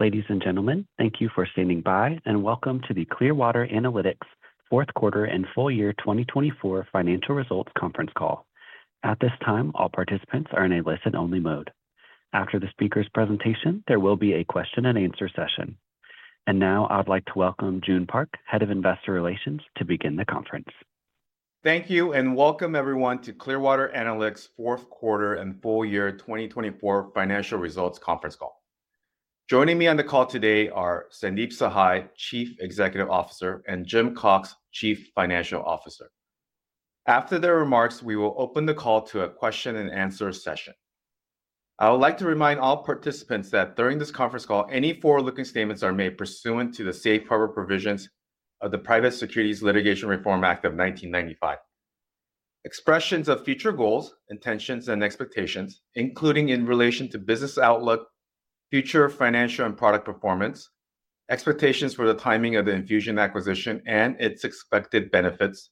Ladies and gentlemen, thank you for standing by, and welcome to the Clearwater Analytics Fourth Quarter and Full Year 2024 Financial Results Conference Call. At this time, all participants are in a listen-only mode. After the speaker's presentation, there will be a question-and-answer session. And now, I'd like to welcome Joon Park, Head of Investor Relations, to begin the conference. Thank you, and welcome everyone to Clearwater Analytics Fourth Quarter and Full Year 2024 Financial Results Conference Call. Joining me on the call today are Sandeep Sahai, Chief Executive Officer, and Jim Cox, Chief Financial Officer. After their remarks, we will open the call to a question-and-answer session. I would like to remind all participants that during this conference call, any forward-looking statements are made pursuant to the safe harbor provisions of the Private Securities Litigation Reform Act of 1995. Expressions of future goals, intentions, and expectations, including in relation to business outlook, future financial and product performance, expectations for the timing of the Enfusion acquisition and its expected benefits,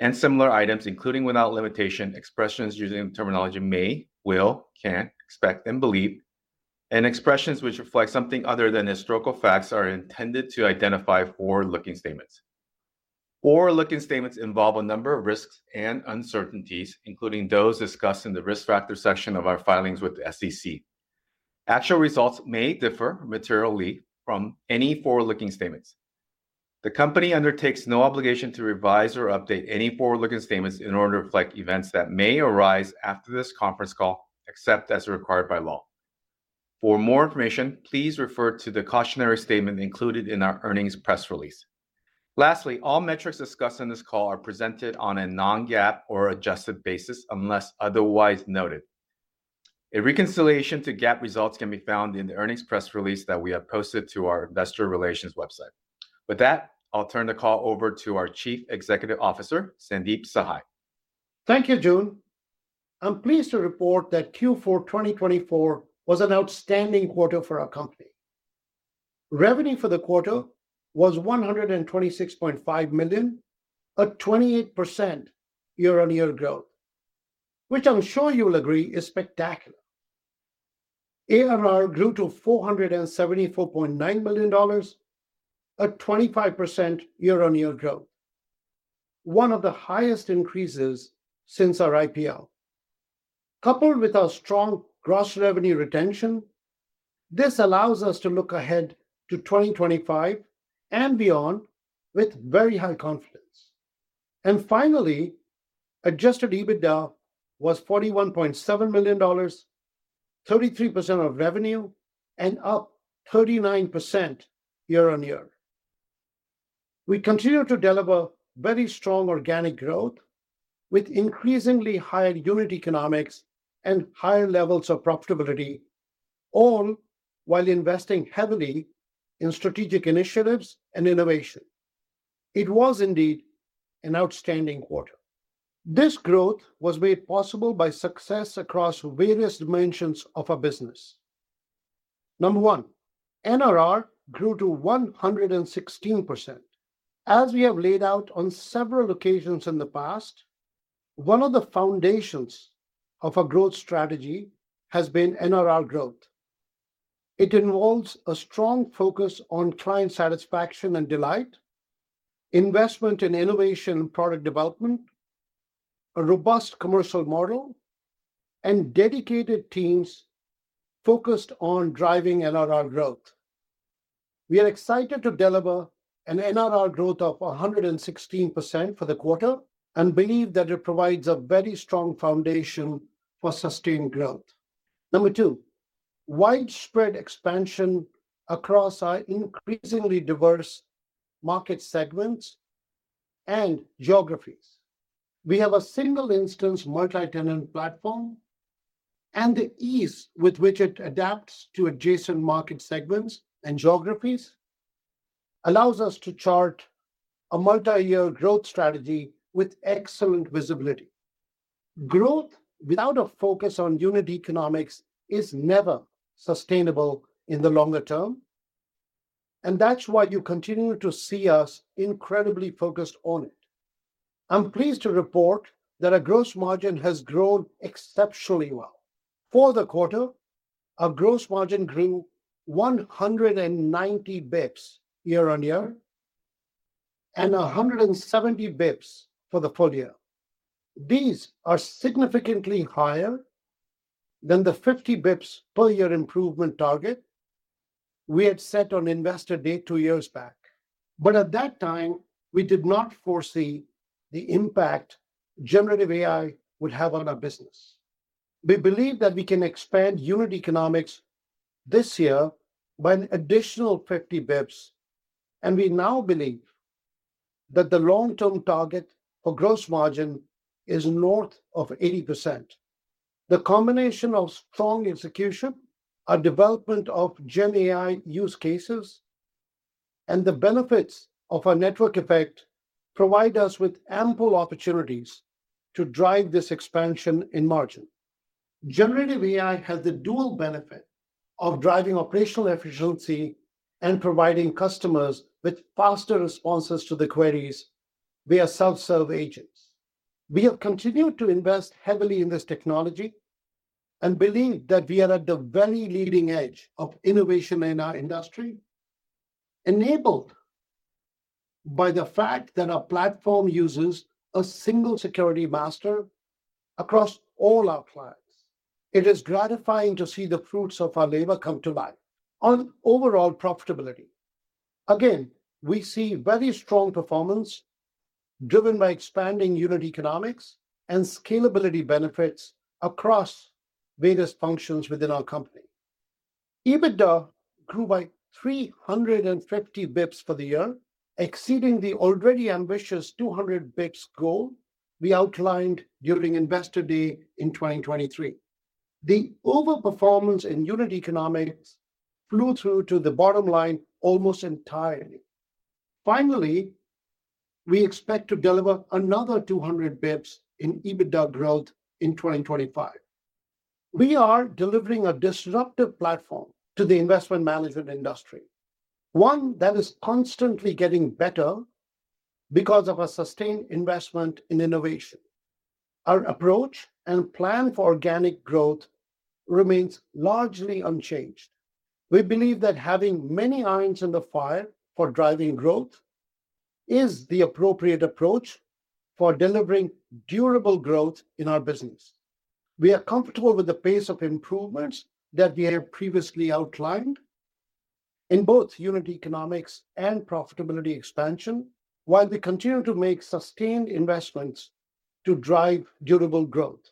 and similar items, including without limitation, expressions using the terminology may, will, can, expect, and believe, and expressions which reflect something other than historical facts are intended to identify forward-looking statements. Forward-looking statements involve a number of risks and uncertainties, including those discussed in the Risk Factors section of our filings with the SEC. Actual results may differ materially from any forward-looking statements. The company undertakes no obligation to revise or update any forward-looking statements in order to reflect events that may arise after this conference call, except as required by law. For more information, please refer to the cautionary statement included in our earnings press release. Lastly, all metrics discussed in this call are presented on a non-GAAP or adjusted basis unless otherwise noted. A reconciliation to GAAP results can be found in the earnings press release that we have posted to our Investor Relations website. With that, I'll turn the call over to our Chief Executive Officer, Sandeep Sahai. Thank you, Joon. I'm pleased to report that Q4 2024 was an outstanding quarter for our company. Revenue for the quarter was $126.5 million, a 28% year-on-year growth, which I'm sure you will agree is spectacular. ARR grew to $474.9 million, a 25% year-on-year growth, one of the highest increases since our IPO. Coupled with our strong gross revenue retention, this allows us to look ahead to 2025 and beyond with very high confidence. And finally, adjusted EBITDA was $41.7 million, 33% of revenue, and up 39% year-on-year. We continue to deliver very strong organic growth with increasingly higher unit economics and higher levels of profitability, all while investing heavily in strategic initiatives and innovation. It was indeed an outstanding quarter. This growth was made possible by success across various dimensions of our business. Number one, NRR grew to 116%. As we have laid out on several occasions in the past, one of the foundations of our growth strategy has been NRR growth. It involves a strong focus on client satisfaction and delight, investment in innovation and product development, a robust commercial model, and dedicated teams focused on driving NRR growth. We are excited to deliver an NRR growth of 116% for the quarter and believe that it provides a very strong foundation for sustained growth. Number two, widespread expansion across our increasingly diverse market segments and geographies. We have a single-instance multi-tenant platform, and the ease with which it adapts to adjacent market segments and geographies allows us to chart a multi-year growth strategy with excellent visibility. Growth without a focus on unit economics is never sustainable in the longer term, and that's why you continue to see us incredibly focused on it. I'm pleased to report that our gross margin has grown exceptionally well. For the quarter, our gross margin grew 190 basis points year-on-year and 170 basis points for the full year. These are significantly higher than the 50 basis points per year improvement target we had set on Investor Day two years back. But at that time, we did not foresee the impact generative AI would have on our business. We believe that we can expand unit economics this year by an additional 50 basis points, and we now believe that the long-term target for gross margin is north of 80%. The combination of strong execution, our development of Gen AI use cases, and the benefits of our network effect provide us with ample opportunities to drive this expansion in margin. Generative AI has the dual benefit of driving operational efficiency and providing customers with faster responses to the queries via self-serve agents. We have continued to invest heavily in this technology and believe that we are at the very leading edge of innovation in our industry, enabled by the fact that our platform uses a single security master across all our clients. It is gratifying to see the fruits of our labor come to life on overall profitability. Again, we see very strong performance driven by expanding unit economics and scalability benefits across various functions within our company. EBITDA grew by 350 basis points for the year, exceeding the already ambitious 200 basis points goal we outlined during investor day in 2023. The overperformance in unit economics flew through to the bottom line almost entirely. Finally, we expect to deliver another 200 basis points in EBITDA growth in 2025. We are delivering a disruptive platform to the investment management industry, one that is constantly getting better because of our sustained investment in innovation. Our approach and plan for organic growth remains largely unchanged. We believe that having many irons in the fire for driving growth is the appropriate approach for delivering durable growth in our business. We are comfortable with the pace of improvements that we have previously outlined in both unit economics and profitability expansion, while we continue to make sustained investments to drive durable growth.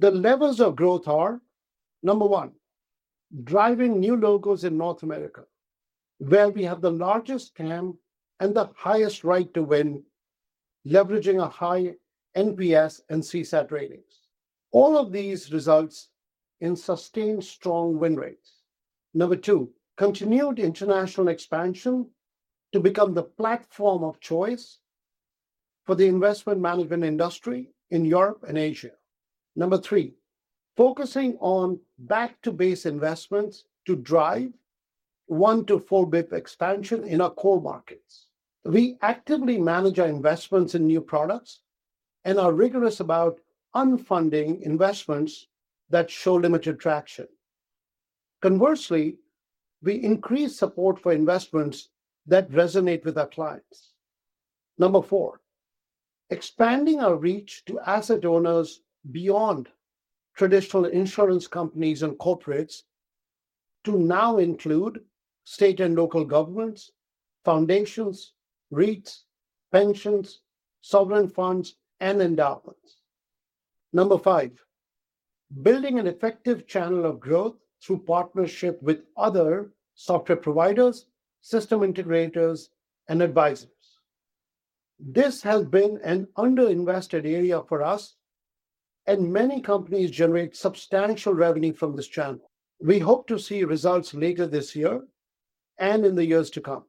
The levels of growth are, number one, driving new logos in North America, where we have the largest TAM and the highest right to win, leveraging our high NPS and CSAT ratings. All of these result in sustained strong win rates. Number two, continued international expansion to become the platform of choice for the investment management industry in Europe and Asia. Number three, focusing on back-to-basics investments to drive 1 to 4 bps expansion in our core markets. We actively manage our investments in new products and are rigorous about unfunding investments that show limited traction. Conversely, we increase support for investments that resonate with our clients. Number four, expanding our reach to asset owners beyond traditional insurance companies and corporates to now include state and local governments, foundations, REITs, pensions, sovereign funds, and endowments. Number five, building an effective channel of growth through partnership with other software providers, system integrators, and advisors. This has been an under-invested area for us, and many companies generate substantial revenue from this channel. We hope to see results later this year and in the years to come.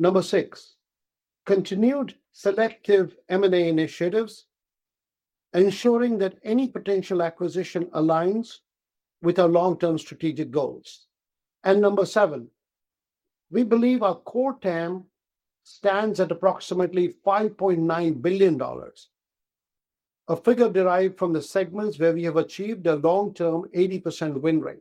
Number six, continued selective M&A initiatives, ensuring that any potential acquisition aligns with our long-term strategic goals. And number seven, we believe our core TAM stands at approximately $5.9 billion, a figure derived from the segments where we have achieved a long-term 80% win rate.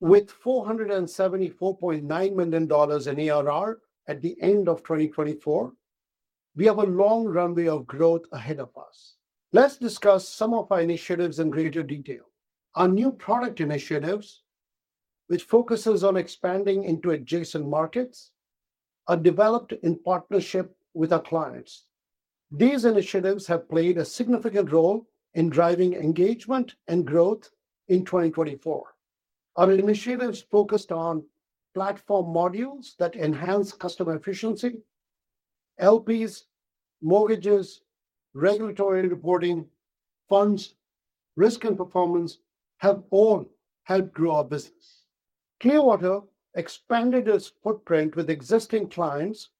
With $474.9 million in ARR at the end of 2024, we have a long runway of growth ahead of us. Let's discuss some of our initiatives in greater detail. Our new product initiatives, which focus on expanding into adjacent markets, are developed in partnership with our clients. These initiatives have played a significant role in driving engagement and growth in 2024. Our initiatives focused on platform modules that enhance customer efficiency, LPs, mortgages, regulatory reporting, funds, risk, and performance have all helped grow our business. Clearwater expanded its footprint with existing clients,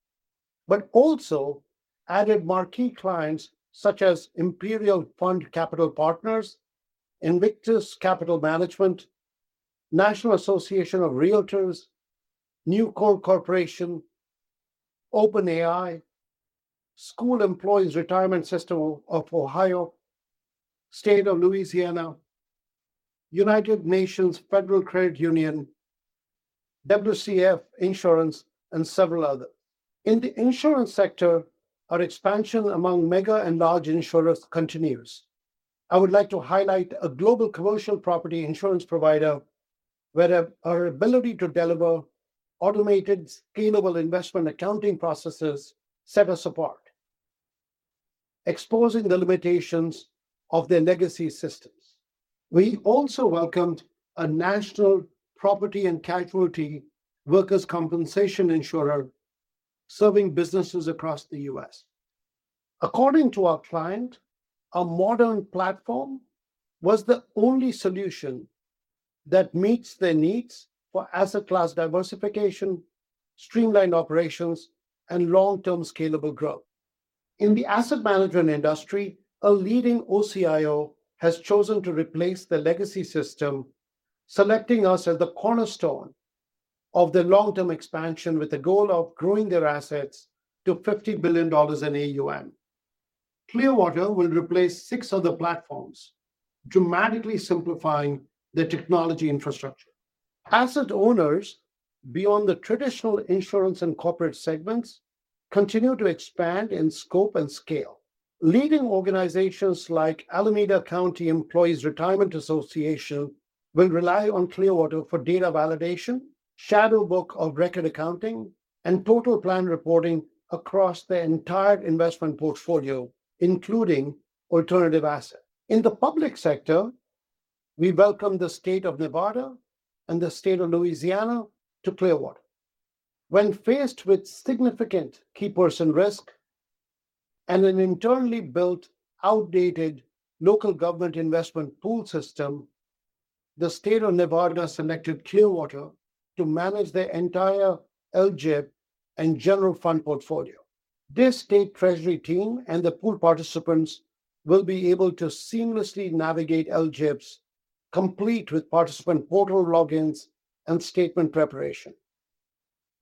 but also added marquee clients such as Imperial Fund Capital Partners, Invictus Capital Management, National Association of REALTORS, NewCold Corporation, OpenAI, School Employees Retirement System of Ohio, State of Louisiana, United Nations Federal Credit Union, WCF Insurance, and several others. In the insurance sector, our expansion among mega and large insurers continues. I would like to highlight a global commercial property insurance provider where our ability to deliver automated, scalable investment accounting processes set us apart, exposing the limitations of their legacy systems. We also welcomed a national property and casualty workers' compensation insurer serving businesses across the U.S. According to our client, a modern platform was the only solution that meets their needs for asset class diversification, streamlined operations, and long-term scalable growth. In the asset management industry, a leading OCIO has chosen to replace the legacy system, selecting us as the cornerstone of their long-term expansion with the goal of growing their assets to $50 billion in AUM. Clearwater will replace six other platforms, dramatically simplifying their technology infrastructure. Asset owners beyond the traditional insurance and corporate segments continue to expand in scope and scale. Leading organizations like Alameda County Employees Retirement Association will rely on Clearwater for data validation, shadow book of record accounting, and total plan reporting across their entire investment portfolio, including alternative assets. In the public sector, we welcome the State of Nevada and the State of Louisiana to Clearwater. When faced with significant key person risk and an internally built outdated local government investment pool system, the State of Nevada selected Clearwater to manage their entire LGIP and general fund portfolio. This state treasury team and the pool participants will be able to seamlessly navigate LGIPs, complete with participant portal logins and statement preparation,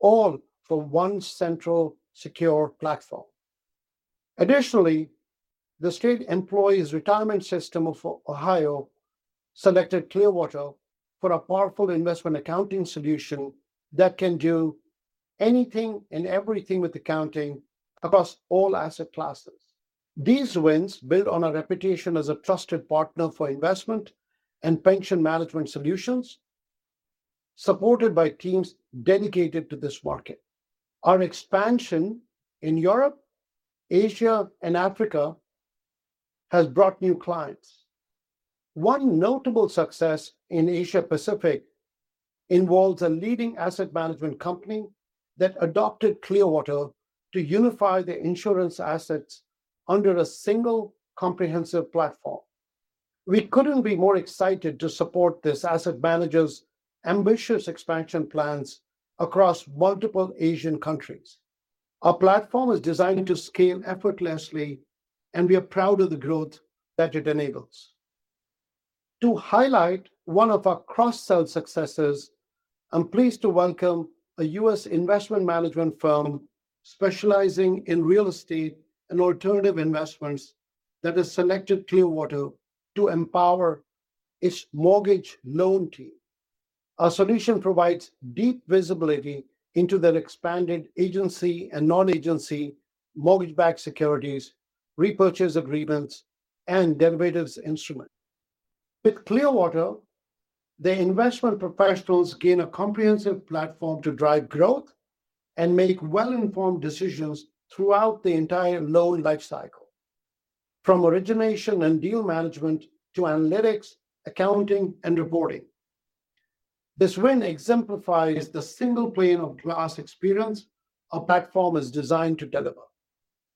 all for one central secure platform. Additionally, the School Employees Retirement System of Ohio selected Clearwater for a powerful investment accounting solution that can do anything and everything with accounting across all asset classes. These wins build on our reputation as a trusted partner for investment and pension management solutions, supported by teams dedicated to this market. Our expansion in Europe, Asia, and Africa has brought new clients. One notable success in Asia-Pacific involves a leading asset management company that adopted Clearwater to unify their insurance assets under a single comprehensive platform. We couldn't be more excited to support this asset manager's ambitious expansion plans across multiple Asian countries. Our platform is designed to scale effortlessly, and we are proud of the growth that it enables. To highlight one of our cross-sell successes, I'm pleased to welcome a U.S. investment management firm specializing in real estate and alternative investments that has selected Clearwater to empower its mortgage loan team. Our solution provides deep visibility into their expanded agency and non-agency mortgage-backed securities, repurchase agreements, and derivatives instruments. With Clearwater, the investment professionals gain a comprehensive platform to drive growth and make well-informed decisions throughout the entire loan lifecycle, from origination and deal management to analytics, accounting, and reporting. This win exemplifies the single pane of glass experience our platform is designed to deliver.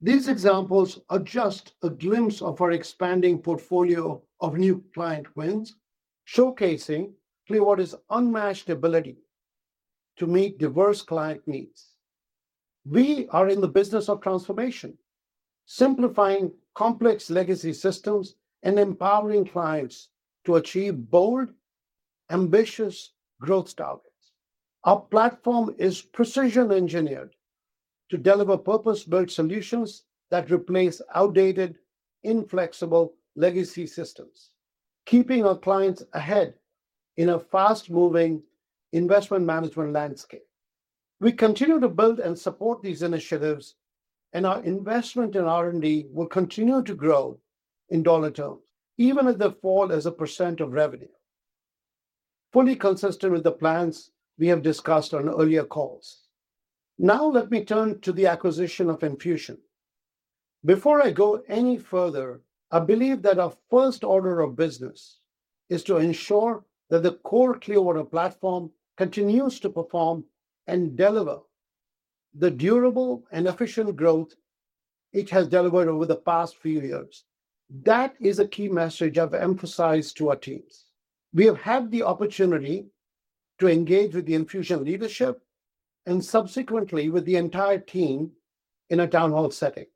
These examples are just a glimpse of our expanding portfolio of new client wins, showcasing Clearwater's unmatched ability to meet diverse client needs. We are in the business of transformation, simplifying complex legacy systems and empowering clients to achieve bold, ambitious growth targets. Our platform is precision-engineered to deliver purpose-built solutions that replace outdated, inflexible legacy systems, keeping our clients ahead in a fast-moving investment management landscape. We continue to build and support these initiatives, and our investment in R&D will continue to grow in dollar terms, even as they fall as a percent of revenue, fully consistent with the plans we have discussed on earlier calls. Now, let me turn to the acquisition of Enfusion. Before I go any further, I believe that our first order of business is to ensure that the core Clearwater platform continues to perform and deliver the durable and efficient growth it has delivered over the past few years. That is a key message I've emphasized to our teams. We have had the opportunity to engage with the Enfusion leadership and subsequently with the entire team in a town hall setting.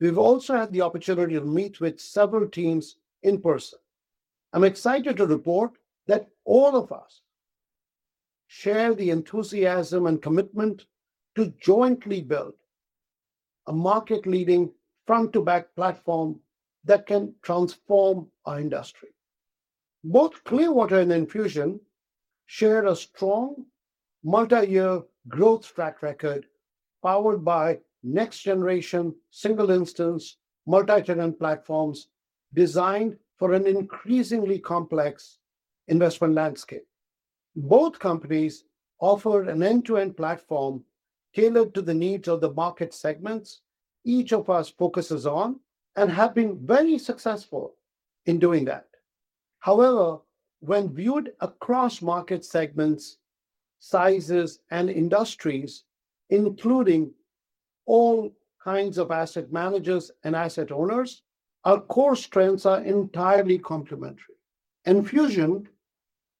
We've also had the opportunity to meet with several teams in person. I'm excited to report that all of us share the enthusiasm and commitment to jointly build a market-leading front-to-back platform that can transform our industry. Both Clearwater and Enfusion share a strong multi-year growth track record powered by next-generation single-instance multi-tenant platforms designed for an increasingly complex investment landscape. Both companies offer an end-to-end platform tailored to the needs of the market segments each of us focuses on and have been very successful in doing that. However, when viewed across market segments, sizes, and industries, including all kinds of asset managers and asset owners, our core strengths are entirely complementary. Enfusion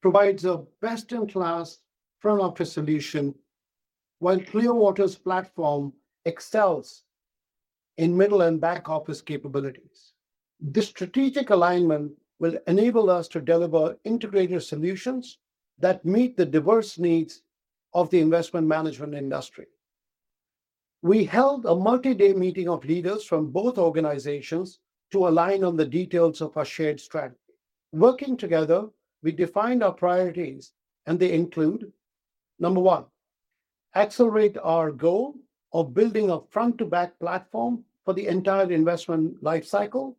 provides a best-in-class front-office solution, while Clearwater's platform excels in middle and back-office capabilities. This strategic alignment will enable us to deliver integrated solutions that meet the diverse needs of the investment management industry. We held a multi-day meeting of leaders from both organizations to align on the details of our shared strategy. Working together, we defined our priorities, and they include: number one, accelerate our goal of building a front-to-back platform for the entire investment lifecycle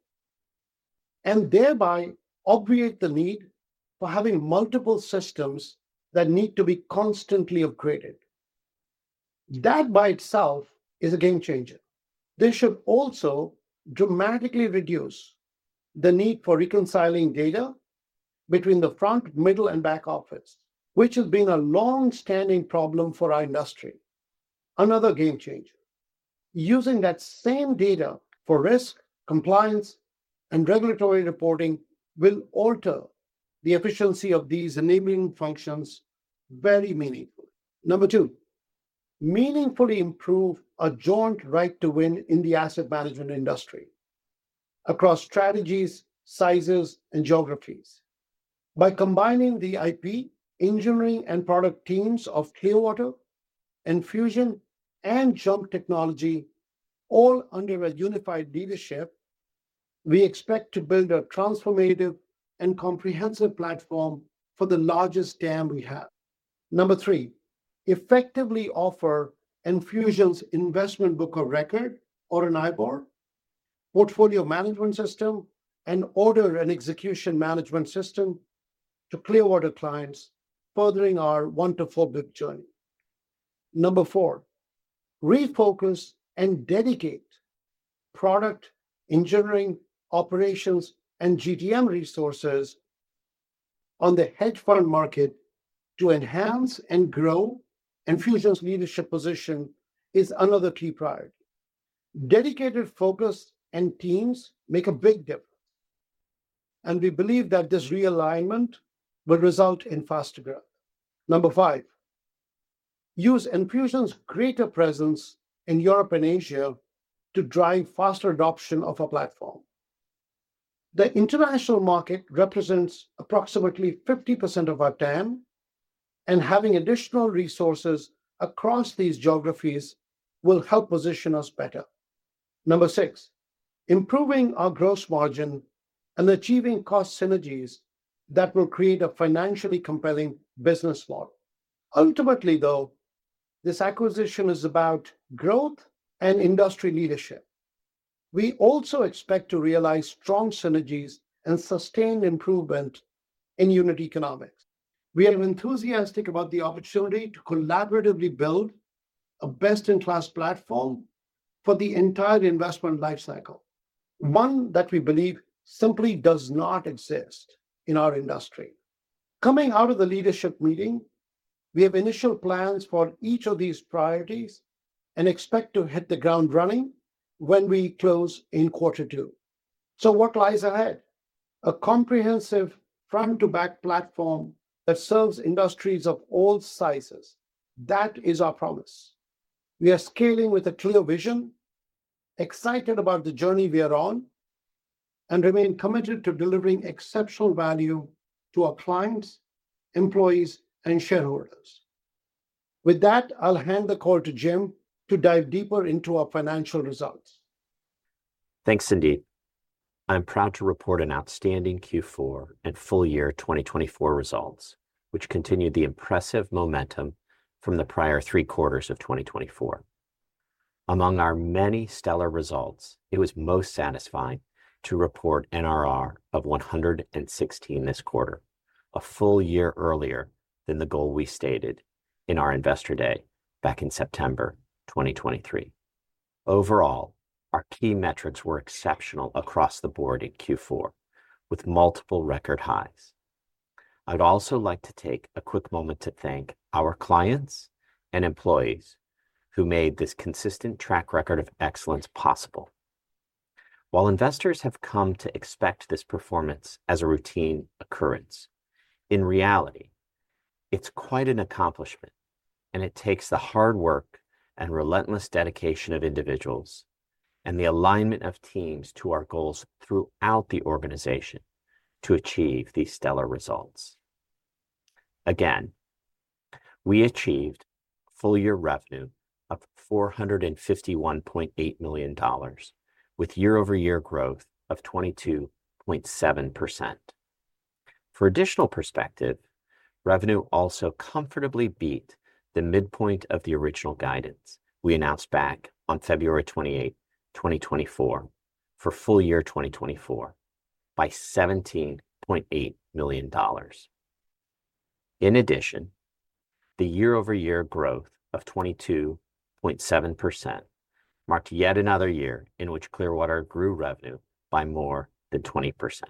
and thereby obviate the need for having multiple systems that need to be constantly upgraded. That by itself is a game changer. This should also dramatically reduce the need for reconciling data between the front, middle, and back office, which has been a long-standing problem for our industry. Another game changer. Using that same data for risk, compliance, and regulatory reporting will alter the efficiency of these enabling functions very meaningfully. Number two, meaningfully improve a joint right to win in the asset management industry across strategies, sizes, and geographies. By combining the IP, engineering, and product teams of Clearwater, Enfusion, and JUMP Technology, all under a unified leadership, we expect to build a transformative and comprehensive platform for the largest TAM we have. Number three, effectively offer Enfusion's investment book of record or an IBOR, portfolio management system, and order and execution management system to Clearwater clients, furthering our 1 to 4 bps journey. Number four, refocus and dedicate product, engineering, operations, and GTM resources on the hedge fund market to enhance and grow Enfusion's leadership position is another key priority. Dedicated focus and teams make a big difference, and we believe that this realignment will result in faster growth. Number five, use Enfusion's greater presence in Europe and Asia to drive faster adoption of our platform. The international market represents approximately 50% of our TAM, and having additional resources across these geographies will help position us better. Number six, improving our gross margin and achieving cost synergies that will create a financially compelling business model. Ultimately, though, this acquisition is about growth and industry leadership. We also expect to realize strong synergies and sustained improvement in unit economics. We are enthusiastic about the opportunity to collaboratively build a best-in-class platform for the entire investment lifecycle, one that we believe simply does not exist in our industry. Coming out of the leadership meeting, we have initial plans for each of these priorities and expect to hit the ground running when we close in quarter two. So what lies ahead? A comprehensive front-to-back platform that serves industries of all sizes. That is our promise. We are scaling with a clear vision, excited about the journey we are on, and remain committed to delivering exceptional value to our clients, employees, and shareholders. With that, I'll hand the call to Jim to dive deeper into our financial results. Thanks, Sandeep. I'm proud to report an outstanding Q4 and full year 2024 results, which continued the impressive momentum from the prior three quarters of 2024. Among our many stellar results, it was most satisfying to report NRR of 116 this quarter, a full year earlier than the goal we stated in our investor day back in September 2023. Overall, our key metrics were exceptional across the board in Q4, with multiple record highs. I'd also like to take a quick moment to thank our clients and employees who made this consistent track record of excellence possible. While investors have come to expect this performance as a routine occurrence, in reality, it's quite an accomplishment, and it takes the hard work and relentless dedication of individuals and the alignment of teams to our goals throughout the organization to achieve these stellar results. Again, we achieved full year revenue of $451.8 million, with year-over-year growth of 22.7%. For additional perspective, revenue also comfortably beat the midpoint of the original guidance we announced back on February 28, 2024, for full year 2024 by $17.8 million. In addition, the year-over-year growth of 22.7% marked yet another year in which Clearwater grew revenue by more than 20%.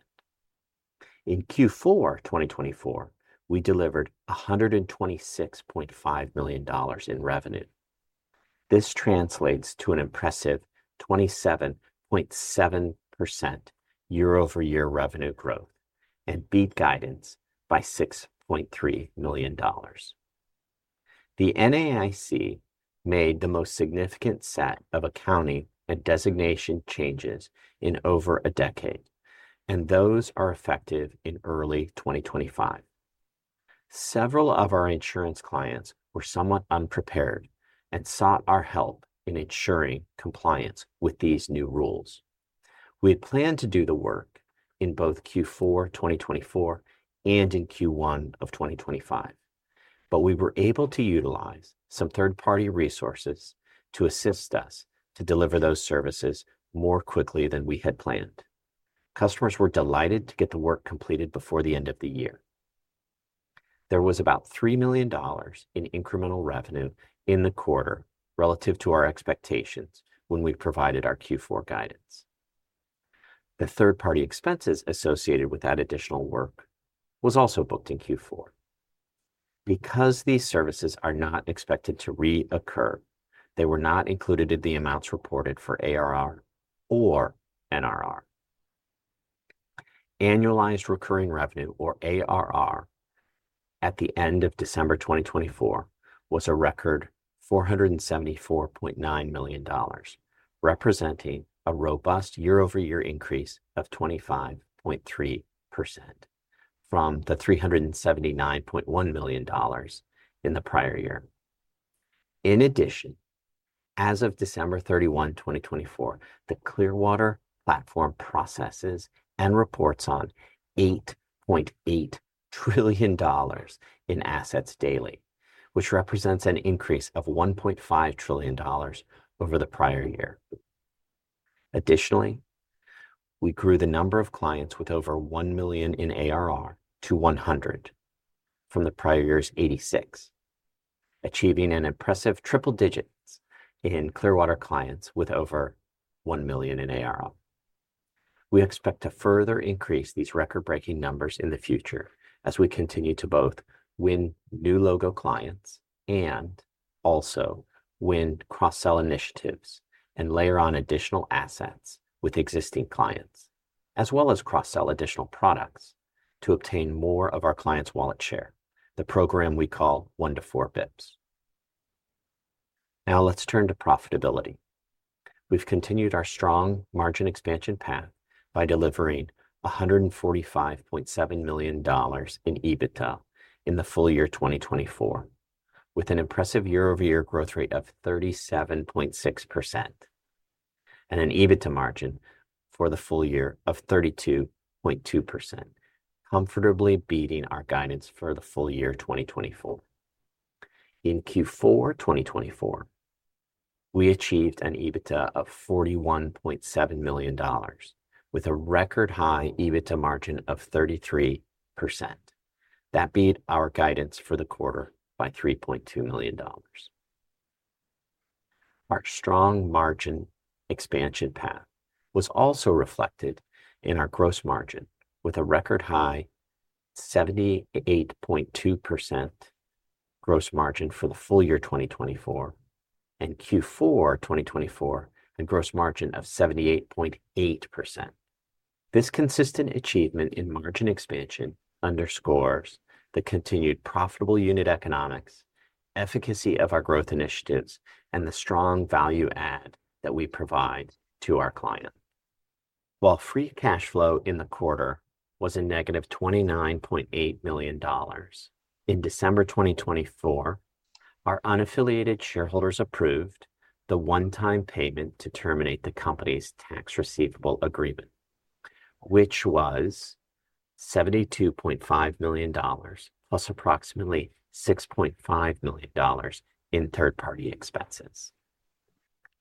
In Q4 2024, we delivered $126.5 million in revenue. This translates to an impressive 27.7% year-over-year revenue growth and beat guidance by $6.3 million. The NAIC made the most significant set of accounting and designation changes in over a decade, and those are effective in early 2025. Several of our insurance clients were somewhat unprepared and sought our help in ensuring compliance with these new rules. We had planned to do the work in both Q4 2024 and in Q1 of 2025, but we were able to utilize some third-party resources to assist us to deliver those services more quickly than we had planned. Customers were delighted to get the work completed before the end of the year. There was about $3 million in incremental revenue in the quarter relative to our expectations when we provided our Q4 guidance. The third-party expenses associated with that additional work were also booked in Q4. Because these services are not expected to reoccur, they were not included in the amounts reported for ARR or NRR. Annualized recurring revenue, or ARR, at the end of December 2024 was a record $474.9 million, representing a robust year-over-year increase of 25.3% from the $379.1 million in the prior year. In addition, as of December 31, 2024, the Clearwater platform processes and reports on $8.8 trillion in assets daily, which represents an increase of $1.5 trillion over the prior year. Additionally, we grew the number of clients with over one million in ARR to 100 from the prior year's 86, achieving an impressive triple digits in Clearwater clients with over one million in ARR. We expect to further increase these record-breaking numbers in the future as we continue to both win new logo clients and also win cross-sell initiatives and layer on additional assets with existing clients, as well as cross-sell additional products to obtain more of our clients' wallet share, the program we call 1 to 4 bps. Now, let's turn to profitability. We've continued our strong margin expansion path by delivering $145.7 million in EBITDA in the full year 2024, with an impressive year-over-year growth rate of 37.6% and an EBITDA margin for the full year of 32.2%, comfortably beating our guidance for the full year 2024. In Q4 2024, we achieved an EBITDA of $41.7 million, with a record high EBITDA margin of 33%. That beat our guidance for the quarter by $3.2 million. Our strong margin expansion path was also reflected in our gross margin, with a record high 78.2% gross margin for the full year 2024 and Q4 2024 a gross margin of 78.8%. This consistent achievement in margin expansion underscores the continued profitable unit economics, efficacy of our growth initiatives, and the strong value add that we provide to our clients. While free cash flow in the quarter was a negative $29.8 million, in December 2024, our unaffiliated shareholders approved the one-time payment to terminate the company's tax receivable agreement, which was $72.5 million plus approximately $6.5 million in third-party expenses.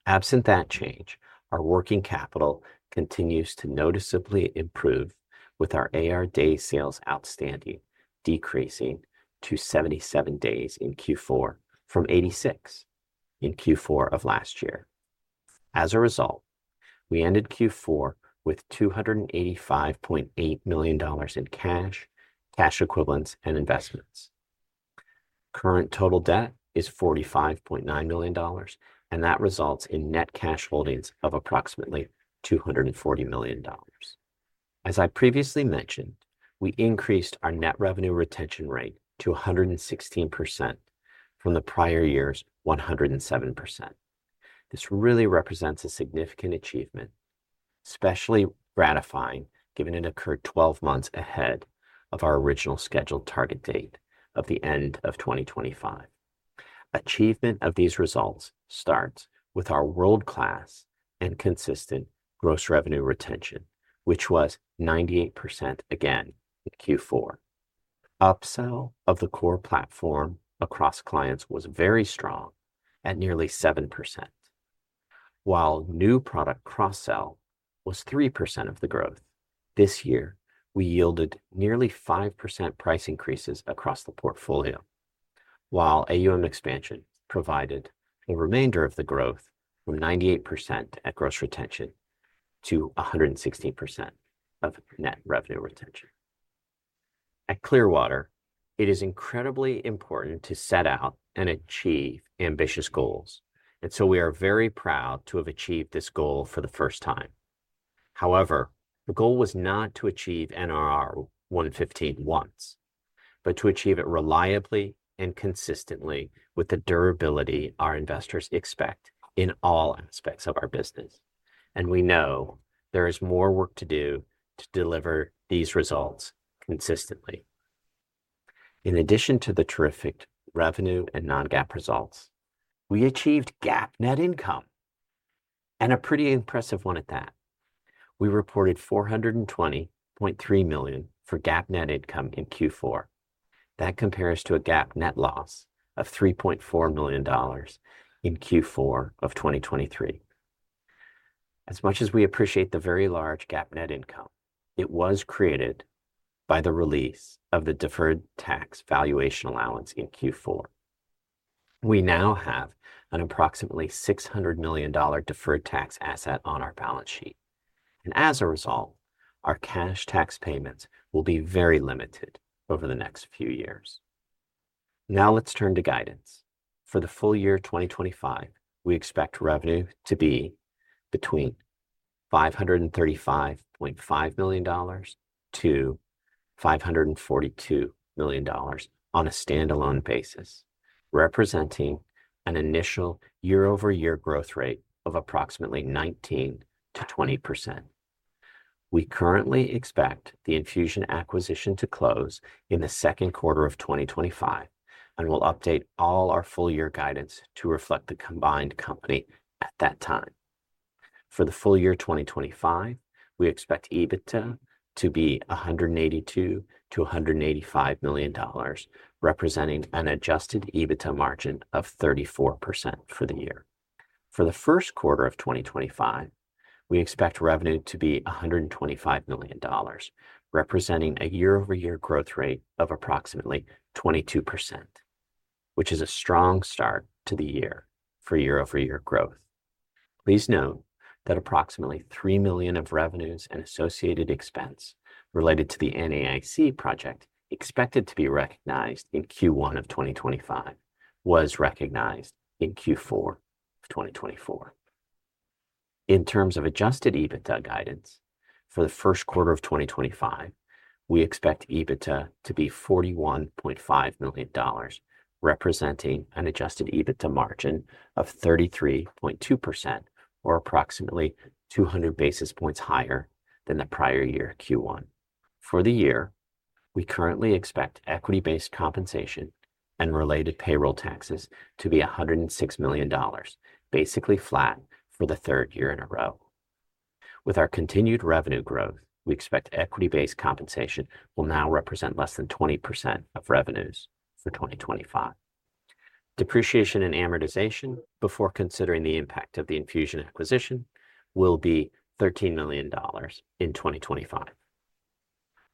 Absent that change, our working capital continues to noticeably improve, with our AR day sales outstanding decreasing to 77 days in Q4 from 86 in Q4 of last year. As a result, we ended Q4 with $285.8 million in cash, cash equivalents, and investments. Current total debt is $45.9 million, and that results in net cash holdings of approximately $240 million. As I previously mentioned, we increased our net revenue retention rate to 116% from the prior year's 107%. This really represents a significant achievement, especially gratifying given it occurred 12 months ahead of our original scheduled target date of the end of 2025. Achievement of these results starts with our world-class and consistent gross revenue retention, which was 98% again in Q4. Upsell of the core platform across clients was very strong at nearly 7%, while new product cross-sell was 3% of the growth. This year, we yielded nearly 5% price increases across the portfolio, while AUM expansion provided the remainder of the growth from 98% at gross retention to 116% of net revenue retention. At Clearwater, it is incredibly important to set out and achieve ambitious goals, and so we are very proud to have achieved this goal for the first time. However, the goal was not to achieve NRR 115 once, but to achieve it reliably and consistently with the durability our investors expect in all aspects of our business, and we know there is more work to do to deliver these results consistently. In addition to the terrific revenue and non-GAAP results, we achieved GAAP net income, and a pretty impressive one at that. We reported $420.3 million for GAAP net income in Q4. That compares to a GAAP net loss of $3.4 million in Q4 of 2023. As much as we appreciate the very large GAAP net income, it was created by the release of the deferred tax valuation allowance in Q4. We now have an approximately $600 million deferred tax asset on our balance sheet. And as a result, our cash tax payments will be very limited over the next few years. Now let's turn to guidance. For the full year 2025, we expect revenue to be between $535.5 million-$542 million on a standalone basis, representing an initial year-over-year growth rate of approximately 19%-20%. We currently expect the Enfusion acquisition to close in the second quarter of 2025, and we'll update all our full year guidance to reflect the combined company at that time. For the full year 2025, we expect EBITDA to be $182.0 million-$185.0 million, representing an adjusted EBITDA margin of 34% for the year. For the first quarter of 2025, we expect revenue to be $125.0 million, representing a year-over-year growth rate of approximately 22%, which is a strong start to the year for year-over-year growth. Please note that approximately $3 million of revenues and associated expense related to the NAIC project expected to be recognized in Q1 of 2025 was recognized in Q4 of 2024. In terms of adjusted EBITDA guidance, for the first quarter of 2025, we expect EBITDA to be $41.5 million, representing an adjusted EBITDA margin of 33.2%, or approximately 200 basis points higher than the prior year Q1. For the year, we currently expect equity-based compensation and related payroll taxes to be $106.0 million, basically flat for the third year in a row. With our continued revenue growth, we expect equity-based compensation will now represent less than 20% of revenues for 2025. Depreciation and amortization, before considering the impact of the Enfusion acquisition, will be $13.0 million in 2025.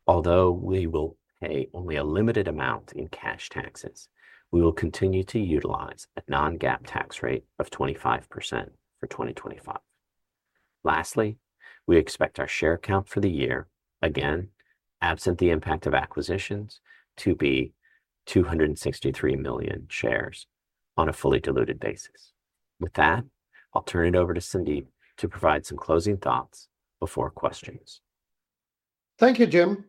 Although we will pay only a limited amount in cash taxes, we will continue to utilize a non-GAAP tax rate of 25% for 2025. Lastly, we expect our share count for the year, again, absent the impact of acquisitions, to be 263 million shares on a fully diluted basis. With that, I'll turn it over to Sandeep to provide some closing thoughts before questions. Thank you, Jim.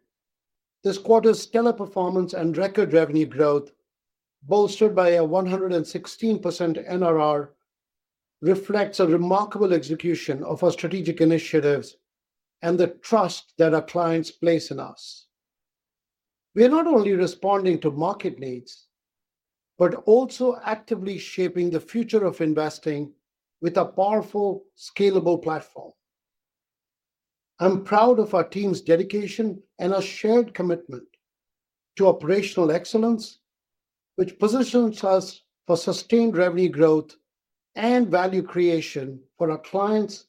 This quarter's stellar performance and record revenue growth, bolstered by a 116% NRR, reflects a remarkable execution of our strategic initiatives and the trust that our clients place in us. We are not only responding to market needs, but also actively shaping the future of investing with a powerful, scalable platform. I'm proud of our team's dedication and our shared commitment to operational excellence, which positions us for sustained revenue growth and value creation for our clients,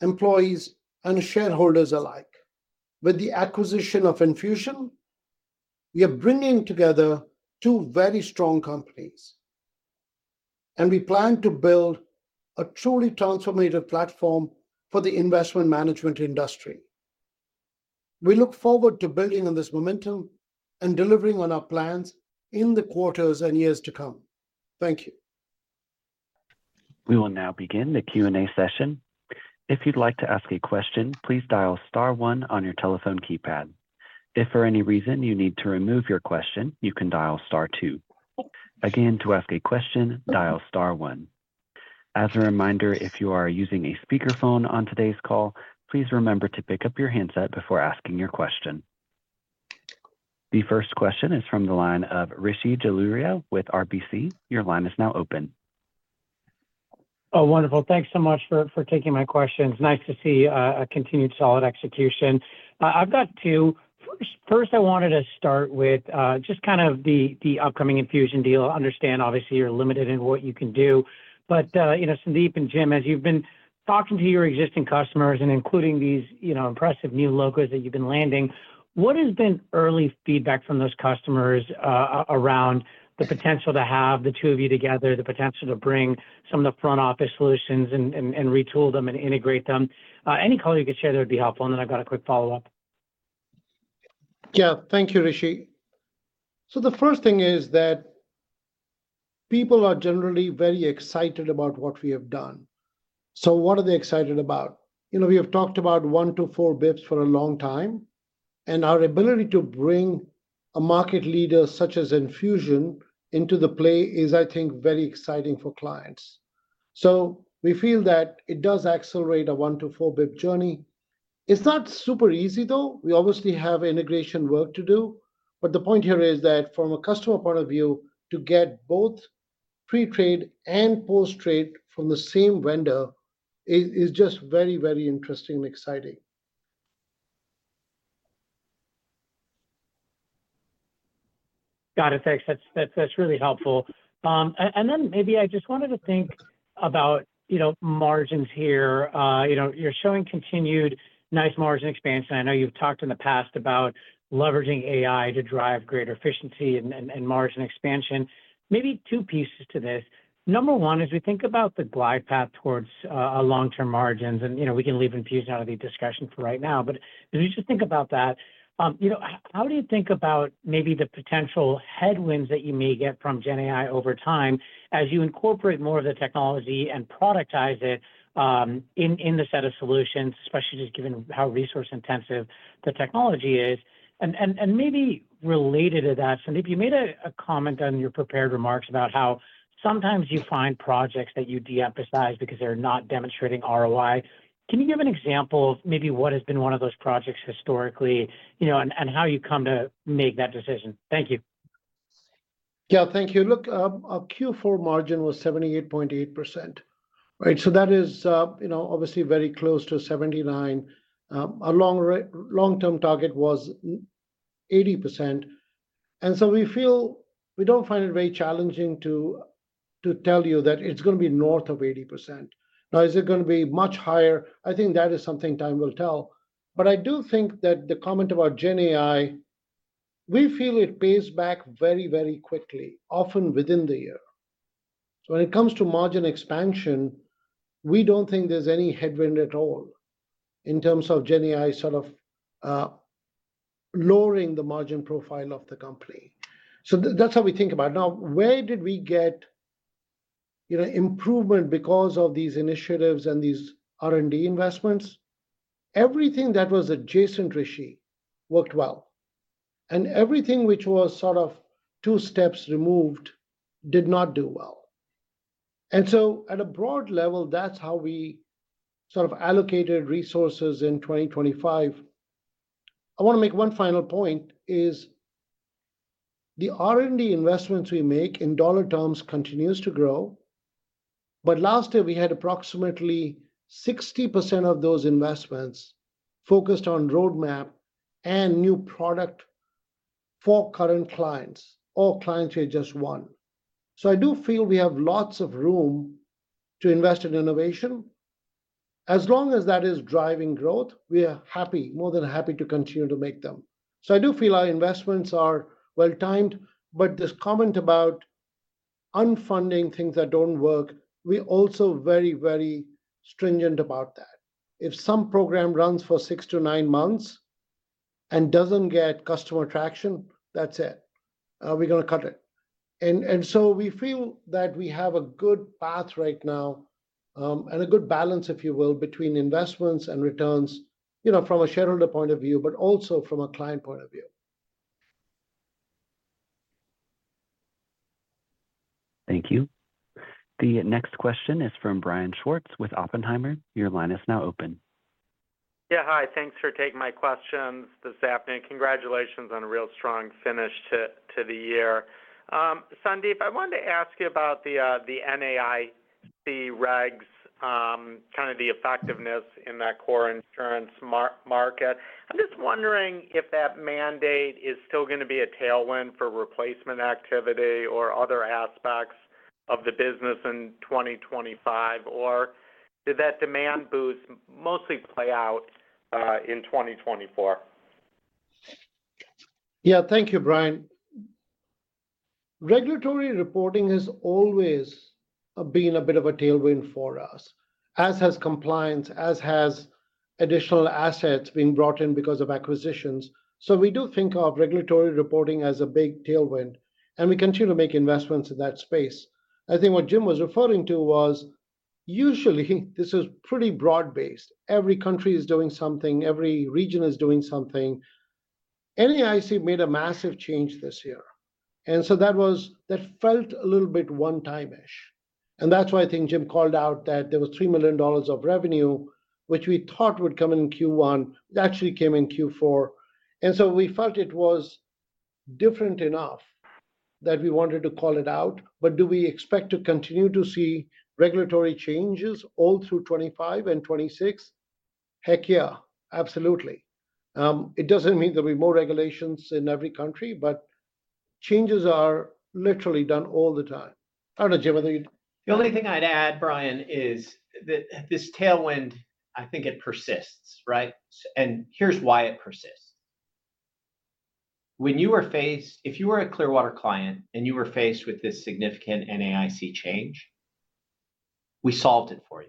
employees, and shareholders alike. With the acquisition of Enfusion, we are bringing together two very strong companies, and we plan to build a truly transformative platform for the investment management industry. We look forward to building on this momentum and delivering on our plans in the quarters and years to come. Thank you. We will now begin the Q&A session. If you'd like to ask a question, please dial star one on your telephone keypad. If for any reason you need to remove your question, you can dial star two. Again, to ask a question, dial star one. As a reminder, if you are using a speakerphone on today's call, please remember to pick up your handset before asking your question. The first question is from the line of Rishi Jaluria with RBC. Your line is now open. Oh, wonderful. Thanks so much for taking my questions. Nice to see a continued solid execution. I've got two. First, I wanted to start with just kind of the upcoming Enfusion deal. I understand, obviously, you're limited in what you can do. But Sandeep and Jim, as you've been talking to your existing customers and including these impressive new logos that you've been landing, what has been early feedback from those customers around the potential to have the two of you together, the potential to bring some of the front-office solutions and retool them and integrate them? Any color you could share that would be helpful, and then I've got a quick follow-up. Yeah, thank you, Rishi. So the first thing is that people are generally very excited about what we have done. So what are they excited about? We have talked about 1 to 4 bps for a long time, and our ability to bring a market leader such as Enfusion into the play is, I think, very exciting for clients. So we feel that it does accelerate a 1 to 4 bps journey. It's not super easy, though. We obviously have integration work to do. But the point here is that from a customer point of view, to get both pre-trade and post-trade from the same vendor is just very, very interesting and exciting. Got it. Thanks. That's really helpful. And then maybe I just wanted to think about margins here. You're showing continued nice margin expansion. I know you've talked in the past about leveraging AI to drive greater efficiency and margin expansion. Maybe two pieces to this. Number one is we think about the glide path towards long-term margins, and we can leave Enfusion out of the discussion for right now. But as we just think about that, how do you think about maybe the potential headwinds that you may get from Gen AI over time as you incorporate more of the technology and productize it in the set of solutions, especially just given how resource-intensive the technology is? And maybe related to that, Sandeep, you made a comment on your prepared remarks about how sometimes you find projects that you de-emphasize because they're not demonstrating ROI. Can you give an example of maybe what has been one of those projects historically and how you come to make that decision? Thank you. Yeah, thank you. Look, our Q4 margin was 78.8%. Right? So that is obviously very close to 79%. Our long-term target was 80%. And so we feel we don't find it very challenging to tell you that it's going to be north of 80%. Now, is it going to be much higher? I think that is something time will tell. But I do think that the comment about Gen AI, we feel it pays back very, very quickly, often within the year. So when it comes to margin expansion, we don't think there's any headwind at all in terms of Gen AI sort of lowering the margin profile of the company. So that's how we think about it. Now, where did we get improvement because of these initiatives and these R&D investments? Everything that was adjacent, Rishi, worked well. And everything which was sort of two steps removed did not do well. And so at a broad level, that's how we sort of allocated resources in 2025. I want to make one final point: the R&D investments we make in dollar terms continue to grow. But last year, we had approximately 60% of those investments focused on roadmap and new product for current clients or clients who are just won. So I do feel we have lots of room to invest in innovation. As long as that is driving growth, we are happy, more than happy to continue to make them. So I do feel our investments are well-timed. But this comment about unfunding things that don't work, we are also very, very stringent about that. If some program runs for six to nine months and doesn't get customer traction, that's it. We're going to cut it. And so we feel that we have a good path right now and a good balance, if you will, between investments and returns from a shareholder point of view, but also from a client point of view. Thank you. The next question is from Brian Schwartz with Oppenheimer. Your line is now open. Yeah, hi. Thanks for taking my questions this afternoon. Congratulations on a real strong finish to the year. Sandeep, I wanted to ask you about the NAIC regs, kind of the effectiveness in that core insurance market. I'm just wondering if that mandate is still going to be a tailwind for replacement activity or other aspects of the business in 2025, or did that demand boost mostly play out in 2024? Yeah, thank you, Brian. Regulatory reporting has always been a bit of a tailwind for us, as has compliance, as has additional assets being brought in because of acquisitions. So we do think of regulatory reporting as a big tailwind, and we continue to make investments in that space. I think what Jim was referring to was usually this is pretty broad-based. Every country is doing something. Every region is doing something. NAIC made a massive change this year, and so that felt a little bit one-time-ish, and that's why I think Jim called out that there was $3 million of revenue, which we thought would come in Q1. It actually came in Q4, and so we felt it was different enough that we wanted to call it out, but do we expect to continue to see regulatory changes all through 2025 and 2026? Heck yeah, absolutely. It doesn't mean there'll be more regulations in every country, but changes are literally done all the time. I don't know, Jim, whether you. The only thing I'd add, Brian, is that this tailwind, I think it persists, right, and here's why it persists. When you were faced, if you were a Clearwater client and you were faced with this significant NAIC change, we solved it for you.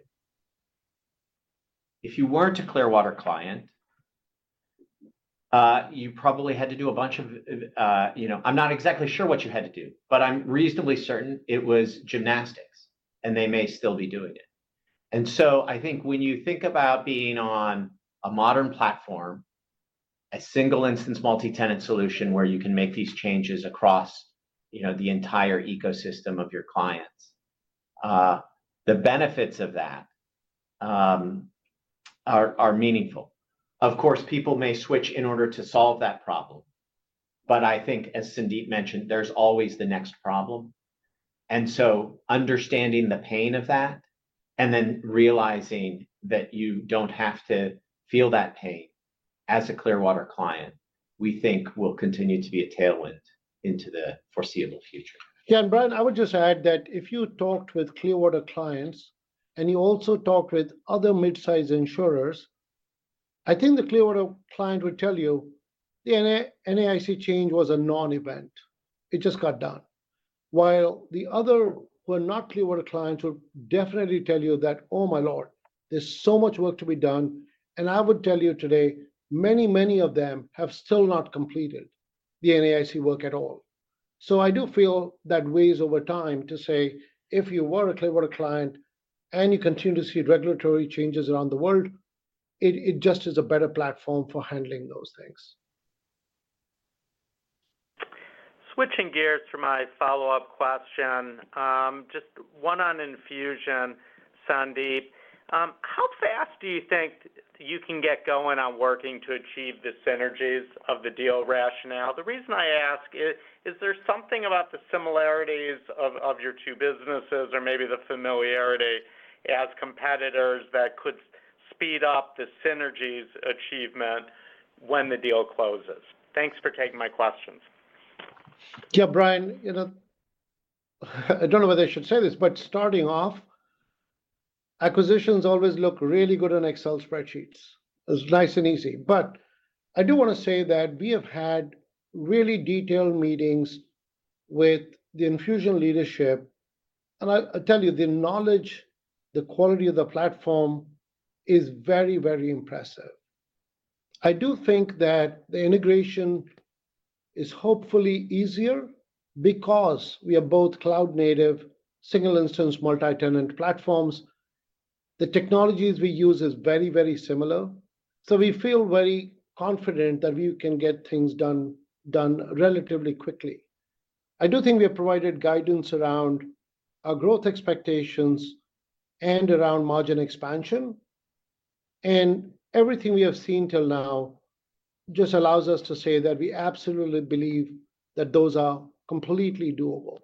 If you weren't a Clearwater client, you probably had to do a bunch of. I'm not exactly sure what you had to do, but I'm reasonably certain it was gymnastics, and they may still be doing it, and so I think when you think about being on a modern platform, a single-instance multi-tenant solution where you can make these changes across the entire ecosystem of your clients, the benefits of that are meaningful. Of course, people may switch in order to solve that problem, but I think, as Sandeep mentioned, there's always the next problem, and so understanding the pain of that and then realizing that you don't have to feel that pain as a Clearwater client, we think will continue to be a tailwind into the foreseeable future. Yeah, and Brian, I would just add that if you talked with Clearwater clients and you also talked with other mid-size insurers, I think the Clearwater client would tell you the NAIC change was a non-event. It just got done. While the other who are not Clearwater clients would definitely tell you that, "Oh my Lord, there's so much work to be done." And I would tell you today, many, many of them have still not completed the NAIC work at all. So I do feel that weighs over time to say, if you were a Clearwater client and you continue to see regulatory changes around the world, it just is a better platform for handling those things. Switching gears for my follow-up question, just one on Enfusion, Sandeep. How fast do you think you can get going on working to achieve the synergies of the deal rationale? The reason I ask is there's something about the similarities of your two businesses or maybe the familiarity as competitors that could speed up the synergies achievement when the deal closes? Thanks for taking my questions. Yeah, Brian, I don't know whether I should say this, but starting off, acquisitions always look really good on Excel spreadsheets. It's nice and easy. But I do want to say that we have had really detailed meetings with the Enfusion leadership. And I'll tell you, the knowledge, the quality of the platform is very, very impressive. I do think that the integration is hopefully easier because we are both cloud-native, single-instance multi-tenant platforms. The technologies we use are very, very similar. So we feel very confident that we can get things done relatively quickly. I do think we have provided guidance around our growth expectations and around margin expansion. Everything we have seen till now just allows us to say that we absolutely believe that those are completely doable.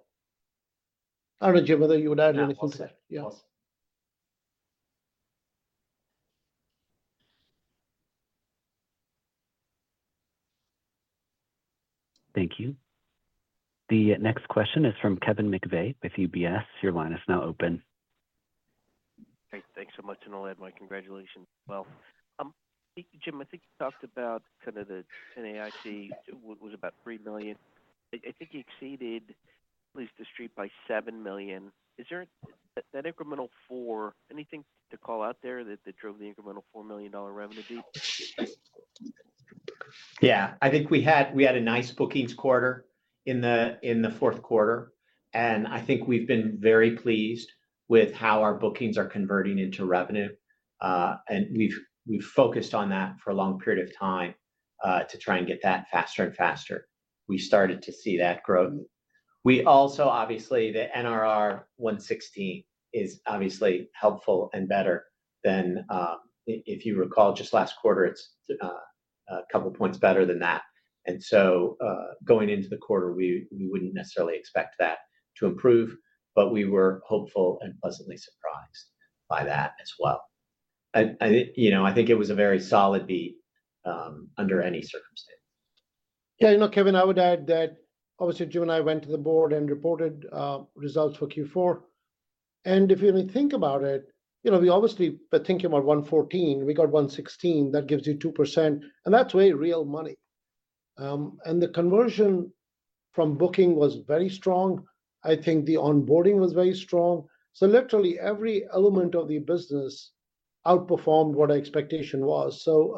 I don't know, Jim, whether you would add anything to that. Yeah. Thank you. The next question is from Kevin McVeigh with UBS. Your line is now open. Thanks so much. And I'll add my congratulations as well. Jim, I think you talked about kind of the NAIC was about $3 million. I think it exceeded at least the street by $7 million. Is there an incremental $4, anything to call out there that drove the incremental $4 million revenue beat? Yeah. I think we had a nice bookings quarter in the fourth quarter. And I think we've been very pleased with how our bookings are converting into revenue. And we've focused on that for a long period of time to try and get that faster and faster. We started to see that growth. We also, obviously, the NRR 116% is obviously helpful and better than if you recall, just last quarter, it's a couple of points better than that. And so going into the quarter, we wouldn't necessarily expect that to improve, but we were hopeful and pleasantly surprised by that as well. I think it was a very solid beat under any circumstance. Yeah. You know, Kevin, I would add that obviously Jim and I went to the board and reported results for Q4. And if you think about it, we obviously were thinking about 114%. We got 116%. That gives you 2%. And that's very real money. And the conversion from booking was very strong. I think the onboarding was very strong. So literally every element of the business outperformed what our expectation was. So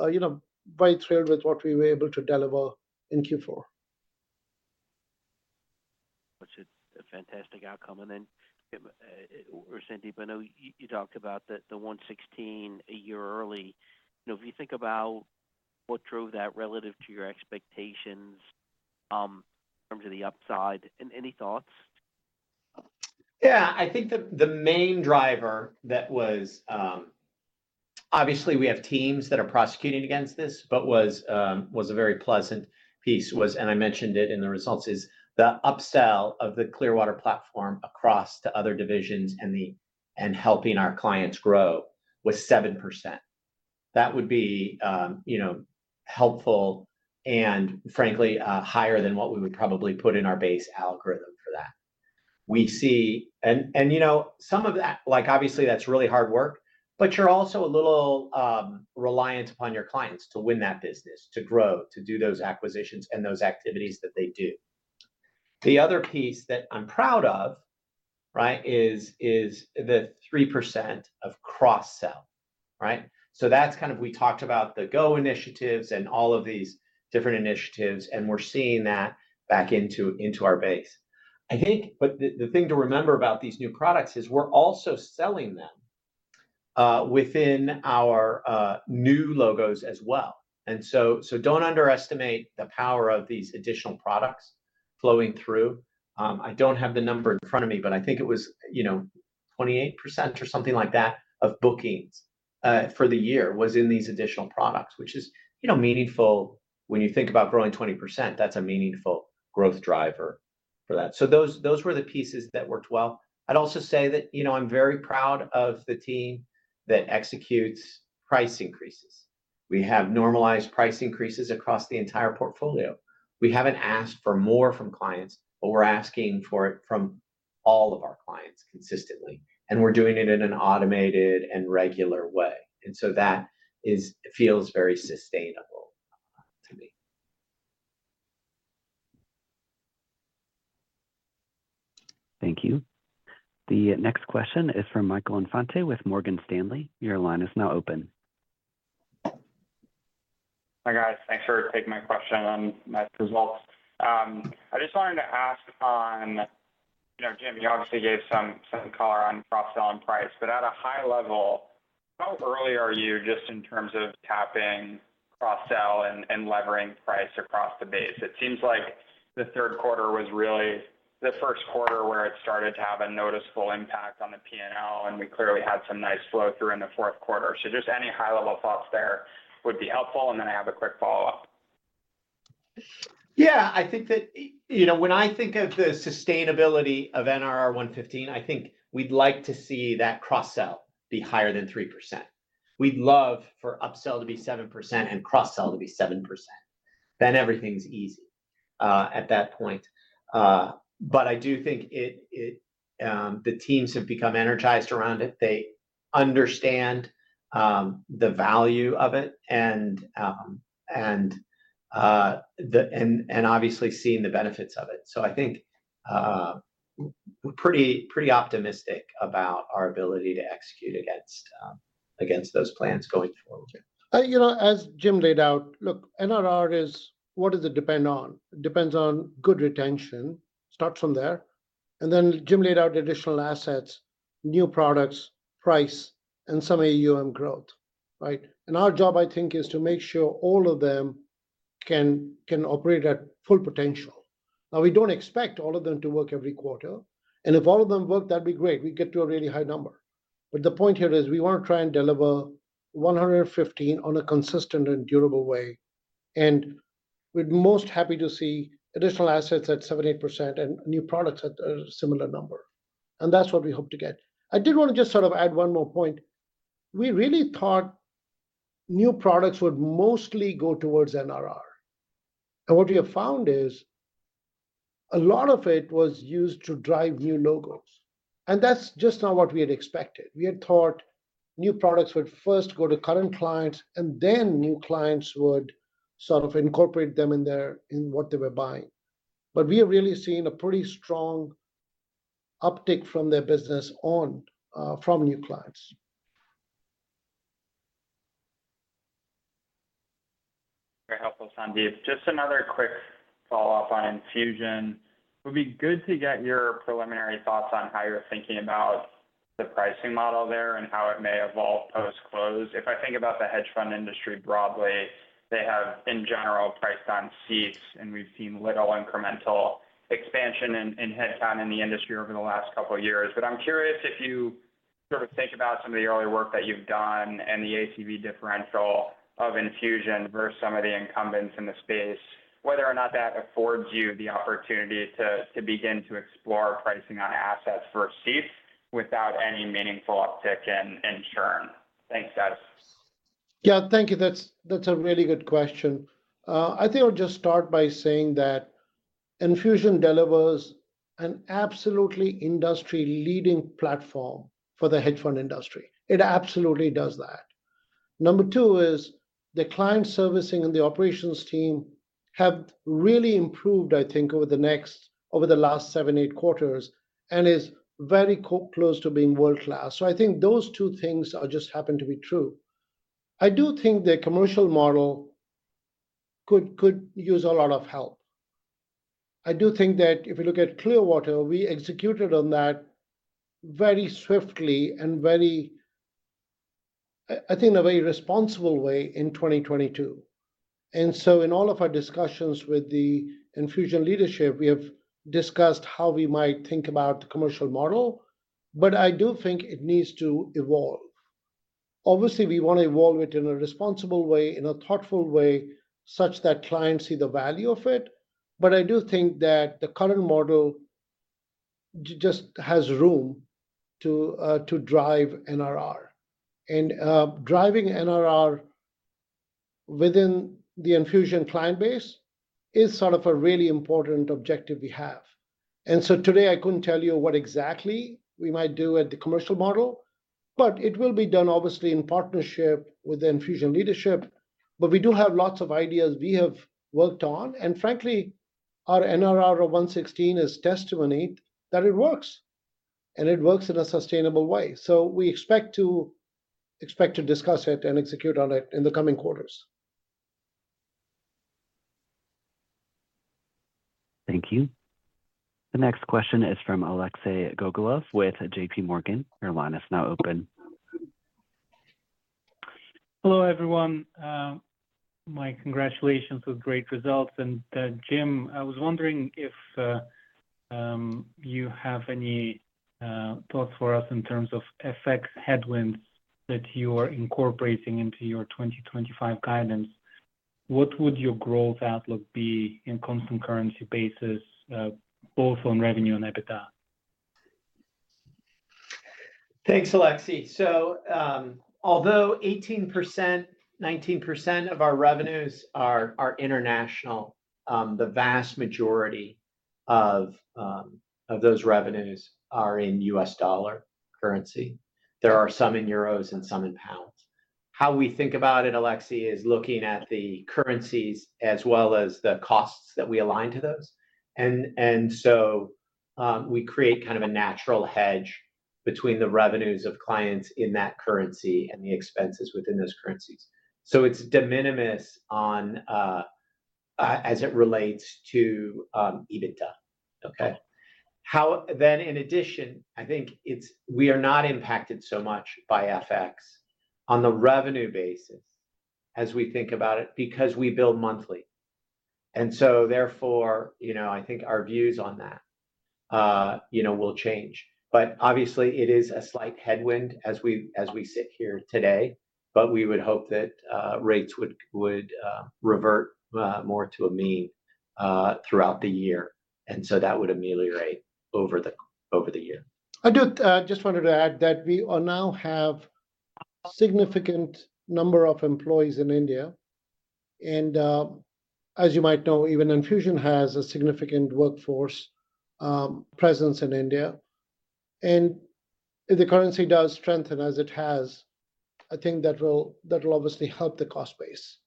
very thrilled with what we were able to deliver in Q4. Which is a fantastic outcome, and then, Sandeep, I know you talked about the 116 a year early. If you think about what drove that relative to your expectations in terms of the upside, any thoughts? Yeah. I think the main driver that was obviously we have teams that are prosecuting against this, but was a very pleasant piece, and I mentioned it in the results, is the upsell of the Clearwater platform across to other divisions and helping our clients grow was 7%. That would be helpful and, frankly, higher than what we would probably put in our base algorithm for that. And some of that, obviously, that's really hard work, but you're also a little reliant upon your clients to win that business, to grow, to do those acquisitions and those activities that they do. The other piece that I'm proud of, right, is the 3% of cross-sell. Right? So that's kind of we talked about the Go initiatives and all of these different initiatives, and we're seeing that back into our base. I think, but the thing to remember about these new products is we're also selling them within our new logos as well. And so don't underestimate the power of these additional products flowing through. I don't have the number in front of me, but I think it was 28% or something like that of bookings for the year was in these additional products, which is meaningful when you think about growing 20%. That's a meaningful growth driver for that. So those were the pieces that worked well. I'd also say that I'm very proud of the team that executes price increases. We have normalized price increases across the entire portfolio. We haven't asked for more from clients, but we're asking for it from all of our clients consistently, and we're doing it in an automated and regular way, and so that feels very sustainable to me. Thank you. The next question is from Michael Infante with Morgan Stanley. Your line is now open. Hi guys. Thanks for taking my question on my results. I just wanted to ask on, Jim, you obviously gave some color on cross-sell and price, but at a high level, how early are you just in terms of tapping cross-sell and levering price across the base? It seems like the third quarter was really the first quarter where it started to have a noticeable impact on the P&L, and we clearly had some nice flow through in the fourth quarter, so just any high-level thoughts there would be helpful. And then I have a quick follow-up. Yeah. I think that when I think of the sustainability of NRR 115%, I think we'd like to see that cross-sell be higher than 3%. We'd love for upsell to be 7% and cross-sell to be 7%. Then everything's easy at that point. But I do think the teams have become energized around it. They understand the value of it and obviously seeing the benefits of it. So I think we're pretty optimistic about our ability to execute against those plans going forward. As Jim laid out, look, NRR is what does it depend on? It depends on good retention. Starts from there. Jim laid out additional assets, new products, price, and some AUM growth. Right? Our job, I think, is to make sure all of them can operate at full potential. Now, we don't expect all of them to work every quarter. And if all of them work, that'd be great. We get to a really high number. But the point here is we want to try and deliver 115 on a consistent and durable way. And we're most happy to see additional assets at 7%-8% and new products at a similar number. And that's what we hope to get. I did want to just sort of add one more point. We really thought new products would mostly go towards NRR. And what we have found is a lot of it was used to drive new logos. And that's just not what we had expected. We had thought new products would first go to current clients, and then new clients would sort of incorporate them in what they were buying. But we have really seen a pretty strong uptick from their business on from new clients. Very helpful, Sandeep. Just another quick follow-up on Enfusion. It would be good to get your preliminary thoughts on how you're thinking about the pricing model there and how it may evolve post-close. If I think about the hedge fund industry broadly, they have, in general, priced on seats, and we've seen little incremental expansion in headcount in the industry over the last couple of years. But I'm curious if you sort of think about some of the early work that you've done and the ACV differential of Enfusion versus some of the incumbents in the space, whether or not that affords you the opportunity to begin to explore pricing on assets for seats without any meaningful uptick in churn. Thanks, guys. Yeah. Thank you. That's a really good question. I think I'll just start by saying that Enfusion delivers an absolutely industry-leading platform for the hedge fund industry. It absolutely does that. Number two is the client servicing and the operations team have really improved, I think, over the last seven, eight quarters and is very close to being world-class. So I think those two things just happen to be true. I do think the commercial model could use a lot of help. I do think that if you look at Clearwater, we executed on that very swiftly and very, I think, in a very responsible way in 2022. And so in all of our discussions with the Enfusion leadership, we have discussed how we might think about the commercial model, but I do think it needs to evolve. Obviously, we want to evolve it in a responsible way, in a thoughtful way such that clients see the value of it. But I do think that the current model just has room to drive NRR. Driving NRR within the Enfusion client base is sort of a really important objective we have. And so today, I couldn't tell you what exactly we might do with the commercial model, but it will be done, obviously, in partnership with the Enfusion leadership. But we do have lots of ideas we have worked on. And frankly, our NRR 116% is testimony that it works. And it works in a sustainable way. So we expect to discuss it and execute on it in the coming quarters. Thank you. The next question is from Alexei Gogolev with J.P. Morgan. Your line is now open. Hello, everyone. My congratulations with great results. And Jim, I was wondering if you have any thoughts for us in terms of FX headwinds that you are incorporating into your 2025 guidance. What would your growth outlook be in constant currency basis, both on revenue and EBITDA? Thanks, Alexei. So although 18%, 19% of our revenues are international, the vast majority of those revenues are in U.S. dollar currency. There are some in euros and some in pounds. How we think about it, Alexei, is looking at the currencies as well as the costs that we align to those. And so we create kind of a natural hedge between the revenues of clients in that currency and the expenses within those currencies. So it's de minimis as it relates to EBITDA. Okay? Then, in addition, I think we are not impacted so much by FX on the revenue basis as we think about it because we bill monthly. And so, therefore, I think our views on that will change. But obviously, it's a slight headwind as we sit here today. But we would hope rates would revert more to a mean throughout the year. That would be right over the year. I just wanted to add that we now have a significant number of employees in India. And as you might know, even Enfusion has a significant workforce presence in India. And if the currency does strengthen as it has, I think that will obviously help the cost base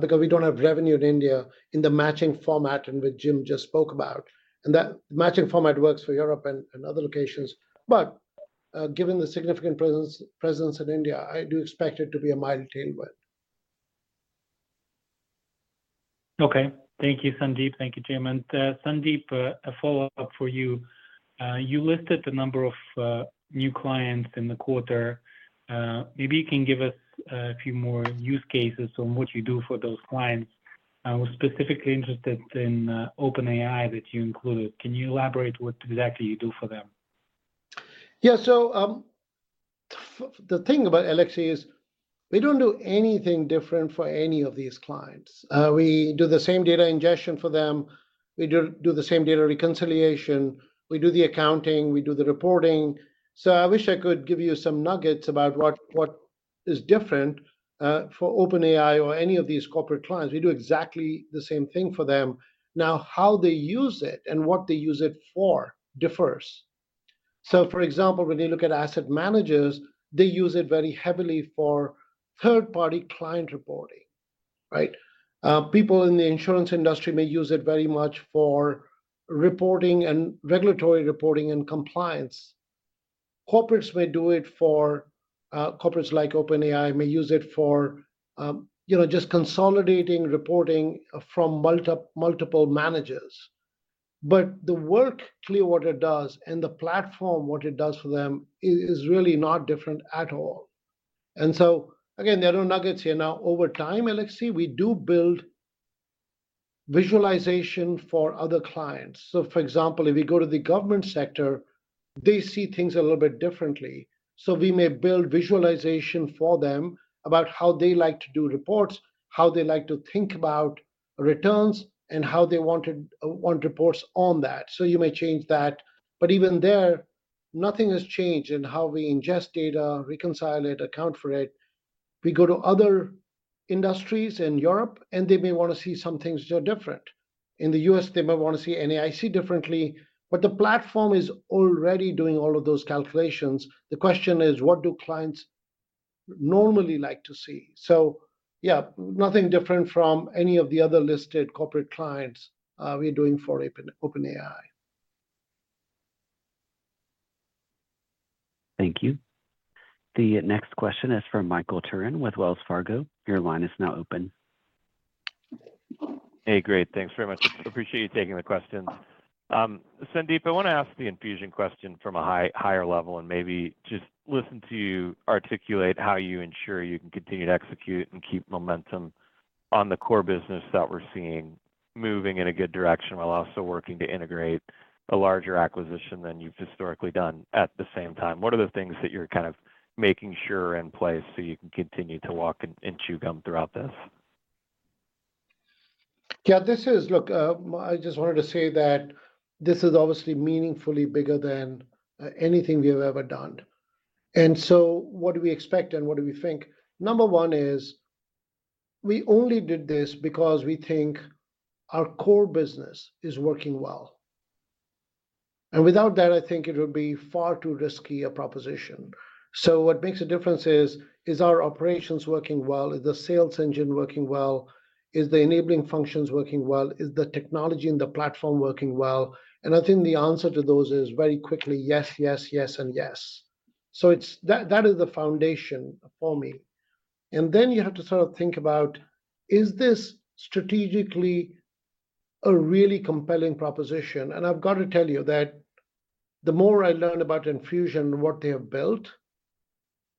because we don't have revenue in India in the matching format with Jim just spoke about. And that matching format works for Europe and other locations. But given the significant presence in India, I do expect it to be a mild tailwind. Okay. Thank you, Sandeep. Thank you, Jim. And Sandeep, a follow-up for you. You listed the number of new clients in the quarter. Maybe you can give us a few more use cases on what you do for those clients. We're specifically interested in OpenAI that you included. Can you elaborate what exactly you do for them? Yeah. So the thing about Alexei is we don't do anything different for any of these clients. We do the same data ingestion for them. We do the same data reconciliation. We do the accounting. We do the reporting. So I wish I could give you some nuggets about what is different for OpenAI or any of these corporate clients. We do exactly the same thing for them. Now, how they use it and what they use it for differs. So for example, when you look at asset managers, they use it very heavily for third-party client reporting. Right? People in the insurance industry may use it very much for reporting and regulatory reporting and compliance. Corporates may do it for corporates like OpenAI may use it for just consolidating reporting from multiple managers. But the work Clearwater does and the platform, what it does for them, is really not different at all. And so, again, there are no nuggets here. Now, over time, Alexei, we do build visualization for other clients. So for example, if we go to the government sector, they see things a little bit differently. So we may build visualization for them about how they like to do reports, how they like to think about returns, and how they want reports on that. So you may change that. But even there, nothing has changed in how we ingest data, reconcile it, account for it. We go to other industries in Europe, and they may want to see some things that are different. In the U.S., they may want to see NAIC differently. But the platform is already doing all of those calculations. The question is, what do clients normally like to see? So yeah, nothing different from any of the other listed corporate clients we're doing for OpenAI. Thank you. The next question is from Michael Turrin with Wells Fargo. Your line is now open. Hey, great. Thanks very much. Appreciate you taking the question. Sandeep, I want to ask the Enfusion question from a higher level and maybe just listen to you articulate how you ensure you can continue to execute and keep momentum on the core business that we're seeing moving in a good direction while also working to integrate a larger acquisition than you've historically done at the same time. What are the things that you're kind of making sure are in place so you can continue to walk and chew gum throughout this? Yeah. Look, I just wanted to say that this is obviously meaningfully bigger than anything we have ever done. And so what do we expect and what do we think? Number one is we only did this because we think our core business is working well. And without that, I think it would be far too risky a proposition. So what makes a difference is, is our operations working well? Is the sales engine working well? Is the enabling functions working well? Is the technology and the platform working well? And I think the answer to those is very quickly, yes, yes, yes, and yes. So that is the foundation for me. And then you have to sort of think about, is this strategically a really compelling proposition? And I've got to tell you that the more I learn about Enfusion and what they have built,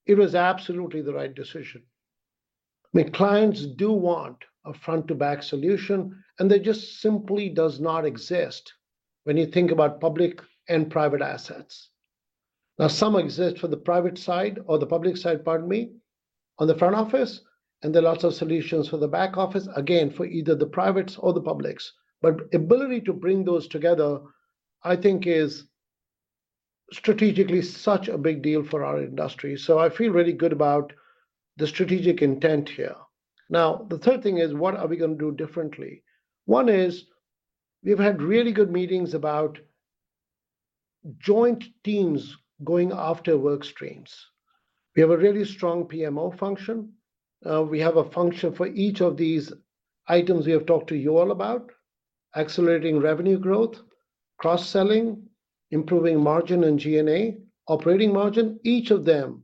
it was absolutely the right decision. I mean, clients do want a front-to-back solution, and there just simply does not exist when you think about public and private assets. Now, some exist for the private side or the public side, pardon me, on the front office, and there are lots of solutions for the back office, again, for either the privates or the publics. But the ability to bring those together, I think, is strategically such a big deal for our industry. So I feel really good about the strategic intent here. Now, the third thing is, what are we going to do differently? One is we've had really good meetings about joint teams going after work streams. We have a really strong PMO function. We have a function for each of these items we have talked to you all about: accelerating revenue growth, cross-selling, improving margin and G&A, operating margin. Each of them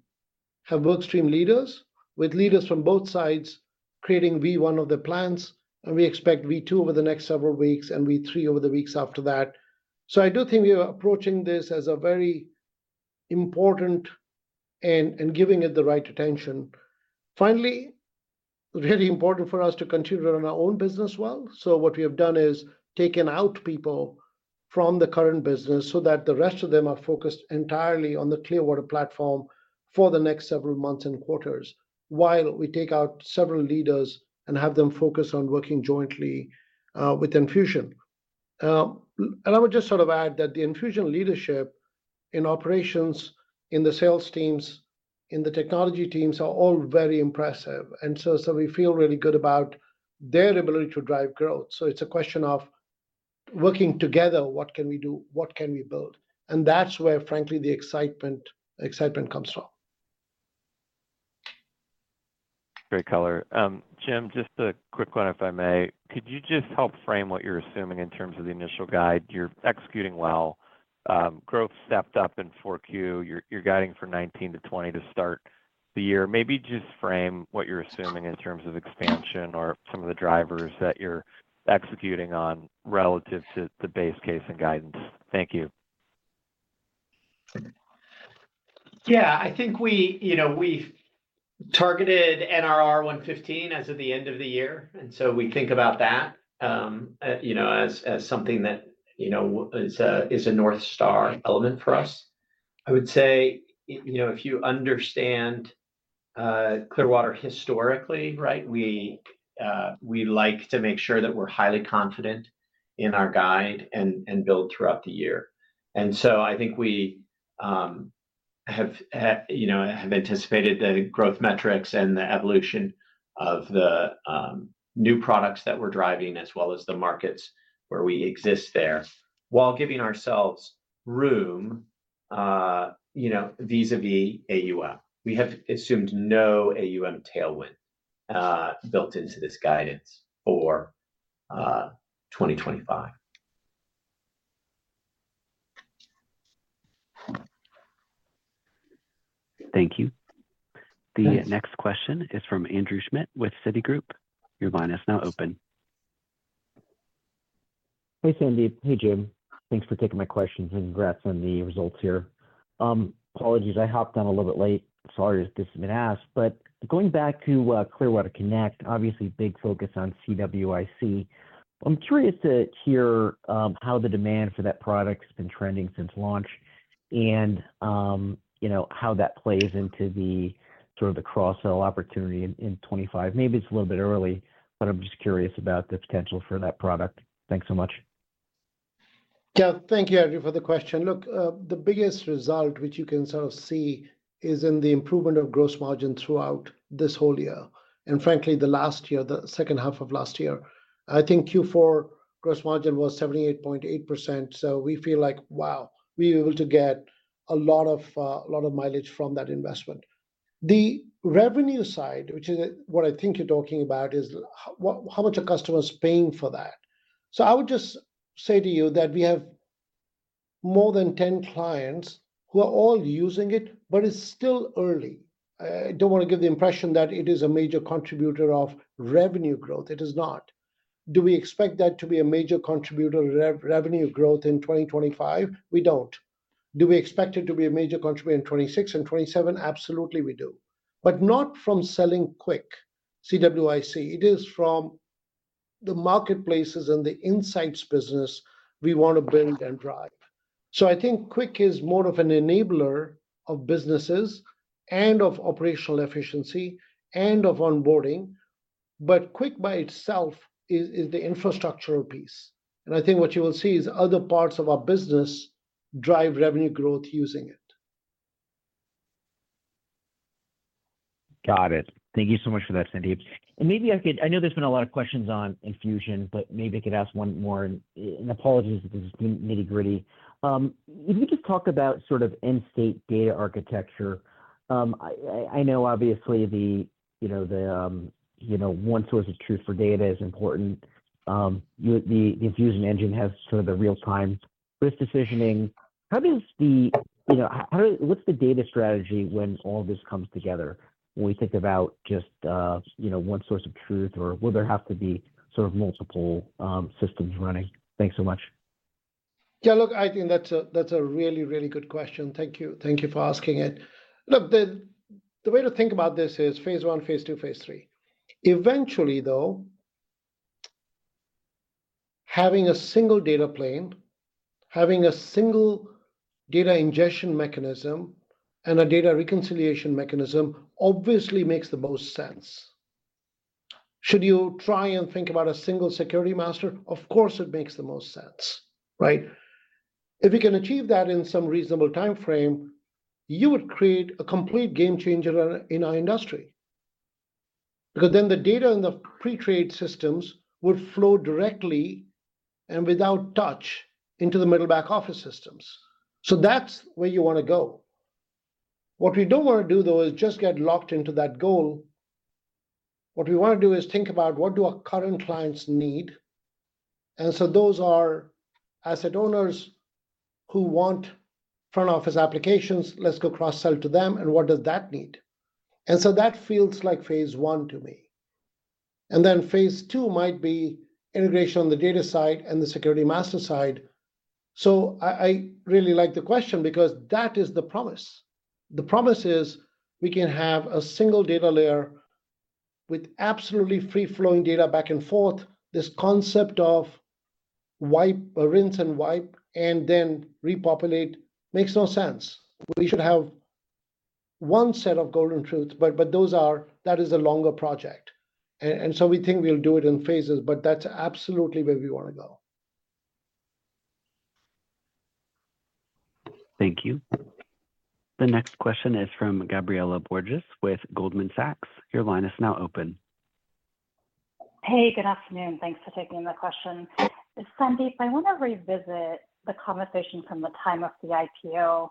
have work stream leaders with leaders from both sides creating V1 of their plans, and we expect V2 over the next several weeks and V3 over the weeks after that, so I do think we are approaching this as a very important and giving it the right attention. Finally, it's really important for us to continue to run our own business well, so what we have done is taken out people from the current business so that the rest of them are focused entirely on the Clearwater platform for the next several months and quarters while we take out several leaders and have them focus on working jointly with Enfusion. I would just sort of add that the Enfusion leadership in operations, in the sales teams, in the technology teams are all very impressive. And so we feel really good about their ability to drive growth. So it's a question of working together, what can we do, what can we build? And that's where, frankly, the excitement comes from. Great color. Jim, just a quick one, if I may. Could you just help frame what you're assuming in terms of the initial guide? You're executing well. Growth stepped up in 4Q. You're guiding for 19% to 20 to start the year. Maybe just frame what you're assuming in terms of expansion or some of the drivers that you're executing on relative to the base case and guidance. Thank you. Yeah. I think we targeted NRR 115% as of the end of the year. And so we think about that as something that is a North Star element for us. I would say if you understand Clearwater historically, right, we like to make sure that we're highly confident in our guide and build throughout the year. And so I think we have anticipated the growth metrics and the evolution of the new products that we're driving as well as the markets where we exist there while giving ourselves room vis-à-vis AUM. We have assumed no AUM tailwind built into this guidance for 2025. Thank you. The next question is from Andrew Schmidt with Citigroup. Your line is now open. Hey, Sandeep. Hey, Jim. Thanks for taking my questions and congrats on the results here. Apologies, I hopped on a little bit late. Sorry if this has been asked. But going back to Clearwater Connect, obviously, big focus on CWIC. I'm curious to hear how the demand for that product has been trending since launch and how that plays into sort of the cross-sell opportunity in '25. Maybe it's a little bit early, but I'm just curious about the potential for that product. Thanks so much. Yeah. Thank you, Andrew, for the question. Look, the biggest result, which you can sort of see, is in the improvement of gross margin throughout this whole year. And frankly, the last year, the second half of last year, I think Q4 gross margin was 78.8%. So we feel like, wow, we were able to get a lot of mileage from that investment. The revenue side, which is what I think you're talking about, is how much are customers paying for that? So I would just say to you that we have more than 10 clients who are all using it, but it's still early. I don't want to give the impression that it is a major contributor of revenue growth. It is not. Do we expect that to be a major contributor of revenue growth in 2025? We don't. Do we expect it to be a major contributor in 2026 and 2027? Absolutely, we do. But not from selling quick CWIC. It is from the marketplaces and the insights business we want to build and drive. So I think quick is more of an enabler of businesses and of operational efficiency and of onboarding. But quick by itself is the infrastructural piece. And I think what you will see is other parts of our business drive revenue growth using it. Got it. Thank you so much for that, Sandeep. And maybe I could. I know there's been a lot of questions on Enfusion, but maybe I could ask one more. And apologies if this has been nitty-gritty. If you could just talk about sort of end-state data architecture. I know, obviously, the one source of truth for data is important. The Enfusion engine has sort of the real-time risk decisioning. How does the, what's the data strategy when all this comes together when we think about just one source of truth, or will there have to be sort of multiple systems running? Thanks so much. Yeah. Look, I think that's a really, really good question. Thank you. Thank you for asking it. Look, the way to think about this is phase one, phase two, phase three. Eventually, though, having a single data plane, having a single data ingestion mechanism, and a data reconciliation mechanism obviously makes the most sense. Should you try and think about a single security master? Of course, it makes the most sense. Right? If we can achieve that in some reasonable time frame, you would create a complete game changer in our industry. Because then the data in the pre-trade systems would flow directly and without touch into the middle back office systems. So that's where you want to go. What we don't want to do, though, is just get locked into that goal. What we want to do is think about what do our current clients need. And so those are asset owners who want front-office applications. Let's go cross-sell to them. And what does that need? And so that feels like phase one to me. And then phase two might be integration on the data side and the security master side. So I really like the question because that is the promise. The promise is we can have a single data layer with absolutely free-flowing data back and forth. This concept of rinse and wipe and then repopulate makes no sense. We should have one set of golden truths, but that is a longer project. And so we think we'll do it in phases, but that's absolutely where we want to go. Thank you. The next question is from Gabriela Borges with Goldman Sachs. Your line is now open. Hey, good afternoon. Thanks for taking the question. Sandeep, I want to revisit the conversation from the time of the IPO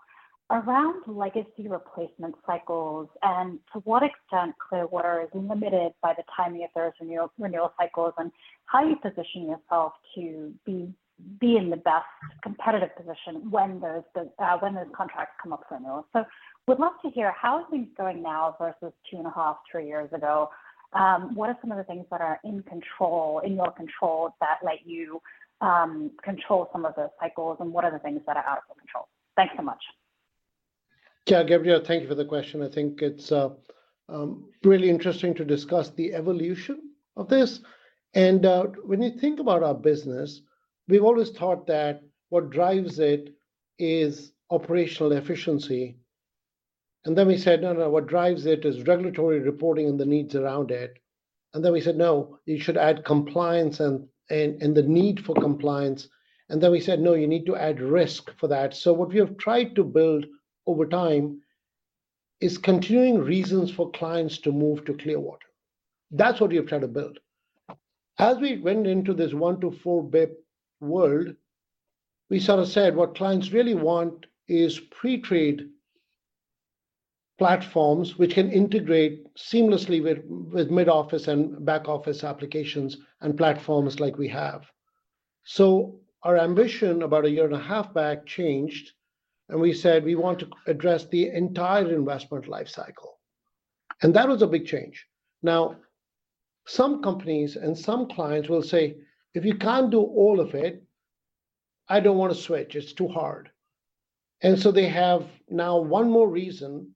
around legacy replacement cycles and to what extent Clearwater is limited by the timing of those renewal cycles and how you position yourself to be in the best competitive position when those contracts come up for renewal. So we'd love to hear how things are going now versus two and a half, three years ago. What are some of the things that are in your control that let you control some of those cycles, and what are the things that are out of your control? Thanks so much. Yeah, Gabriela, thank you for the question. I think it's really interesting to discuss the evolution of this. And when you think about our business, we've always thought that what drives it is operational efficiency. And then we said, no, no, what drives it is regulatory reporting and the needs around it. And then we said, no, you should add compliance and the need for compliance. And then we said, no, you need to add risk for that. So what we have tried to build over time is continuing reasons for clients to move to Clearwater. That's what we have tried to build. As we went into this 1 to 4 bps world, we sort of said what clients really want is pre-trade platforms which can integrate seamlessly with mid-office and back-office applications and platforms like we have. So our ambition about a year and a half back changed, and we said we want to address the entire investment life cycle. And that was a big change. Now, some companies and some clients will say, "If you can't do all of it, I don't want to switch. It's too hard." And so they have now one more reason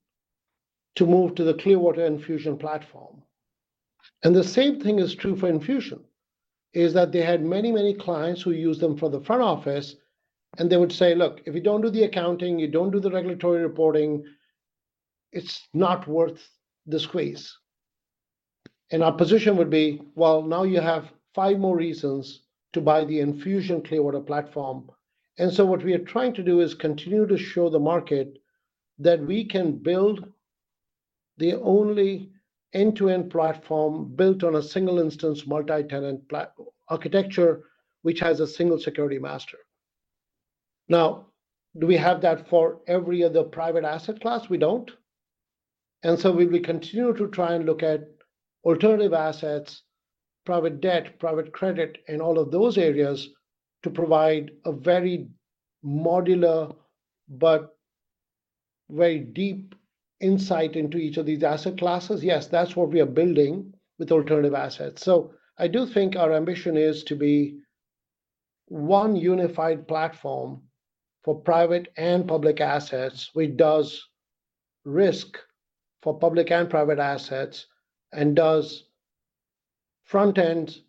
to move to the Clearwater Enfusion platform. And the same thing is true for Enfusion, is that they had many, many clients who used them for the front office, and they would say, "Look, if you don't do the accounting, you don't do the regulatory reporting, it's not worth the squeeze." And our position would be, "Well, now you have five more reasons to buy the Enfusion Clearwater platform." And so what we are trying to do is continue to show the market that we can build the only end-to-end platform built on a single-instance multi-tenant architecture which has a single security master. Now, do we have that for every other private asset class? We don't. And so we will continue to try and look at alternative assets, private debt, private credit, and all of those areas to provide a very modular but very deep insight into each of these asset classes. Yes, that's what we are building with alternative assets. So I do think our ambition is to be one unified platform for private and public assets which does risk for public and private assets and does front-end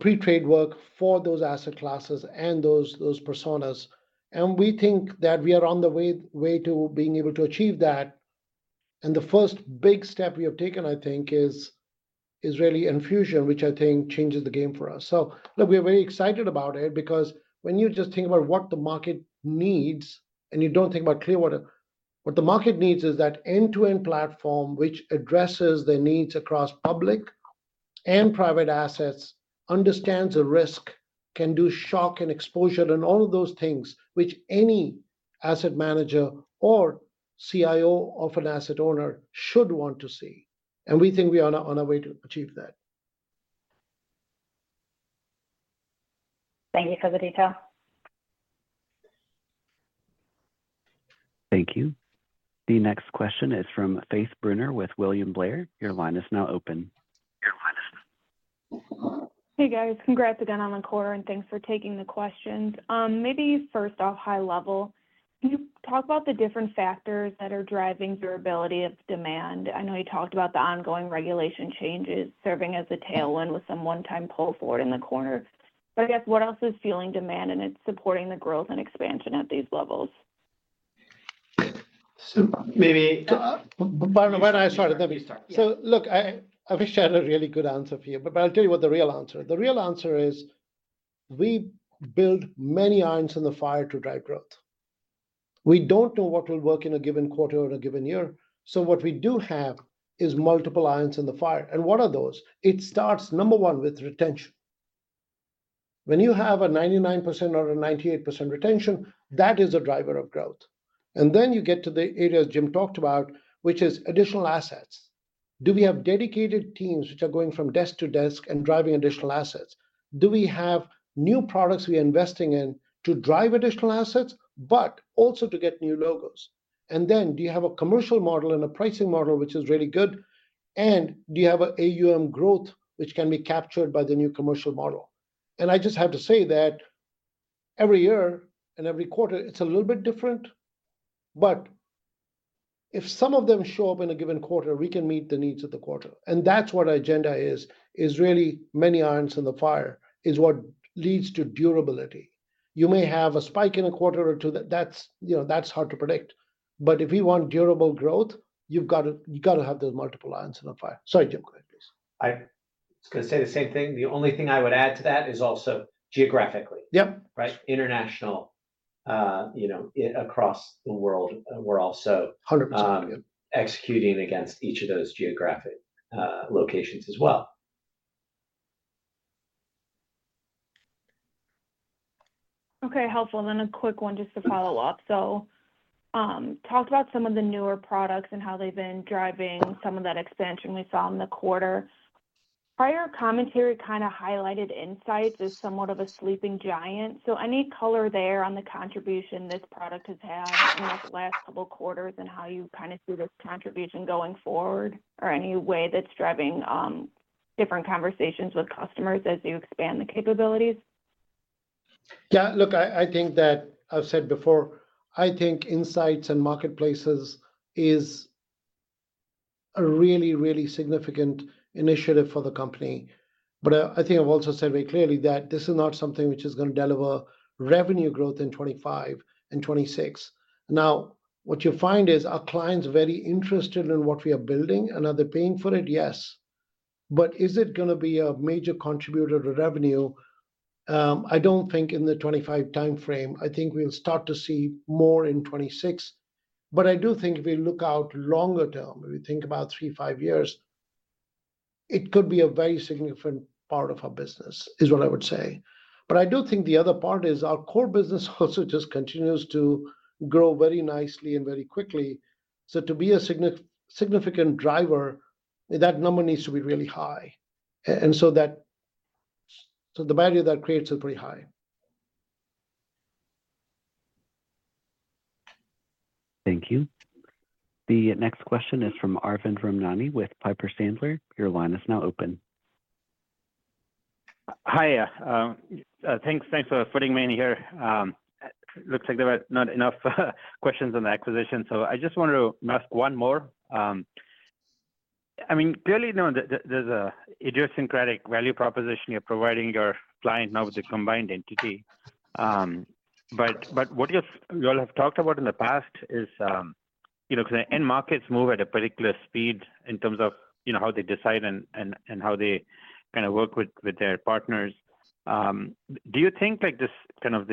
pre-trade work for those asset classes and those personas. And we think that we are on the way to being able to achieve that. And the first big step we have taken, I think, is really Enfusion, which I think changes the game for us. So look, we are very excited about it because when you just think about what the market needs and you don't think about Clearwater, what the market needs is that end-to-end platform which addresses the needs across public and private assets, understands the risk, can do shock and exposure, and all of those things which any asset manager or CIO of an asset owner should want to see. And we think we are on our way to achieve that. Thank you for the detail. Thank you. The next question is from Faith Brunner with William Blair. Your line is now open. Your line is now open. Hey, guys. Congrats again on the quarter, and thanks for taking the questions. Maybe first off, high level, can you talk about the different factors that are driving durability of demand? I know you talked about the ongoing regulation changes serving as a tailwind with some one-time pull forward in the quarter. But I guess what else is fueling demand, and it's supporting the growth and expansion at these levels? So maybe why don't I start? Let me start. So look, I wish I had a really good answer here, but I'll tell you what the real answer is. The real answer is we build many irons in the fire to drive growth. We don't know what will work in a given quarter or a given year. So what we do have is multiple irons in the fire. And what are those? It starts, number one, with retention. When you have a 99% or a 98% retention, that is a driver of growth. And then you get to the areas Jim talked about, which is additional assets. Do we have dedicated teams which are going from desk to desk and driving additional assets? Do we have new products we are investing in to drive additional assets, but also to get new logos? And then do you have a commercial model and a pricing model which is really good? And do you have an AUM growth which can be captured by the new commercial model? I just have to say that every year and every quarter, it's a little bit different. If some of them show up in a given quarter, we can meet the needs of the quarter. That's what our agenda is, is really many irons in the fire is what leads to durability. You may have a spike in a quarter or two. That's hard to predict. If you want durable growth, you've got to have those multiple irons in the fire. Sorry, Jim. Go ahead, please. I was going to say the same thing. The only thing I would add to that is also geographically. Yep. Right? International across the world, we're also executing against each of those geographic locations as well. Okay. Helpful. A quick one just to follow up. Talked about some of the newer products and how they've been driving some of that expansion we saw in the quarter. Prior commentary kind of highlighted insights as somewhat of a sleeping giant. So any color there on the contribution this product has had in the last couple of quarters and how you kind of see this contribution going forward or any way that's driving different conversations with customers as you expand the capabilities? Yeah. Look, I think that I've said before, I think insights and marketplaces is a really, really significant initiative for the company. But I think I've also said very clearly that this is not something which is going to deliver revenue growth in 2025 and 2026. Now, what you find is our clients are very interested in what we are building. And are they paying for it? Yes. But is it going to be a major contributor to revenue? I don't think in the 2025 timeframe. I think we'll start to see more in 2026. But I do think if we look out longer term, if we think about three, five years, it could be a very significant part of our business is what I would say. But I do think the other part is our core business also just continues to grow very nicely and very quickly. So to be a significant driver, that number needs to be really high. And so the barrier that creates is pretty high. Thank you. The next question is from Arvind Ramnani with Piper Sandler. Your line is now open. Hi. Thanks for putting me in here. Looks like there were not enough questions on the acquisition. So I just wanted to ask one more. I mean, clearly, there's an idiosyncratic value proposition you're providing your client now with the combined entity. But what you all have talked about in the past is because end markets move at a particular speed in terms of how they decide and how they kind of work with their partners. Do you think this kind of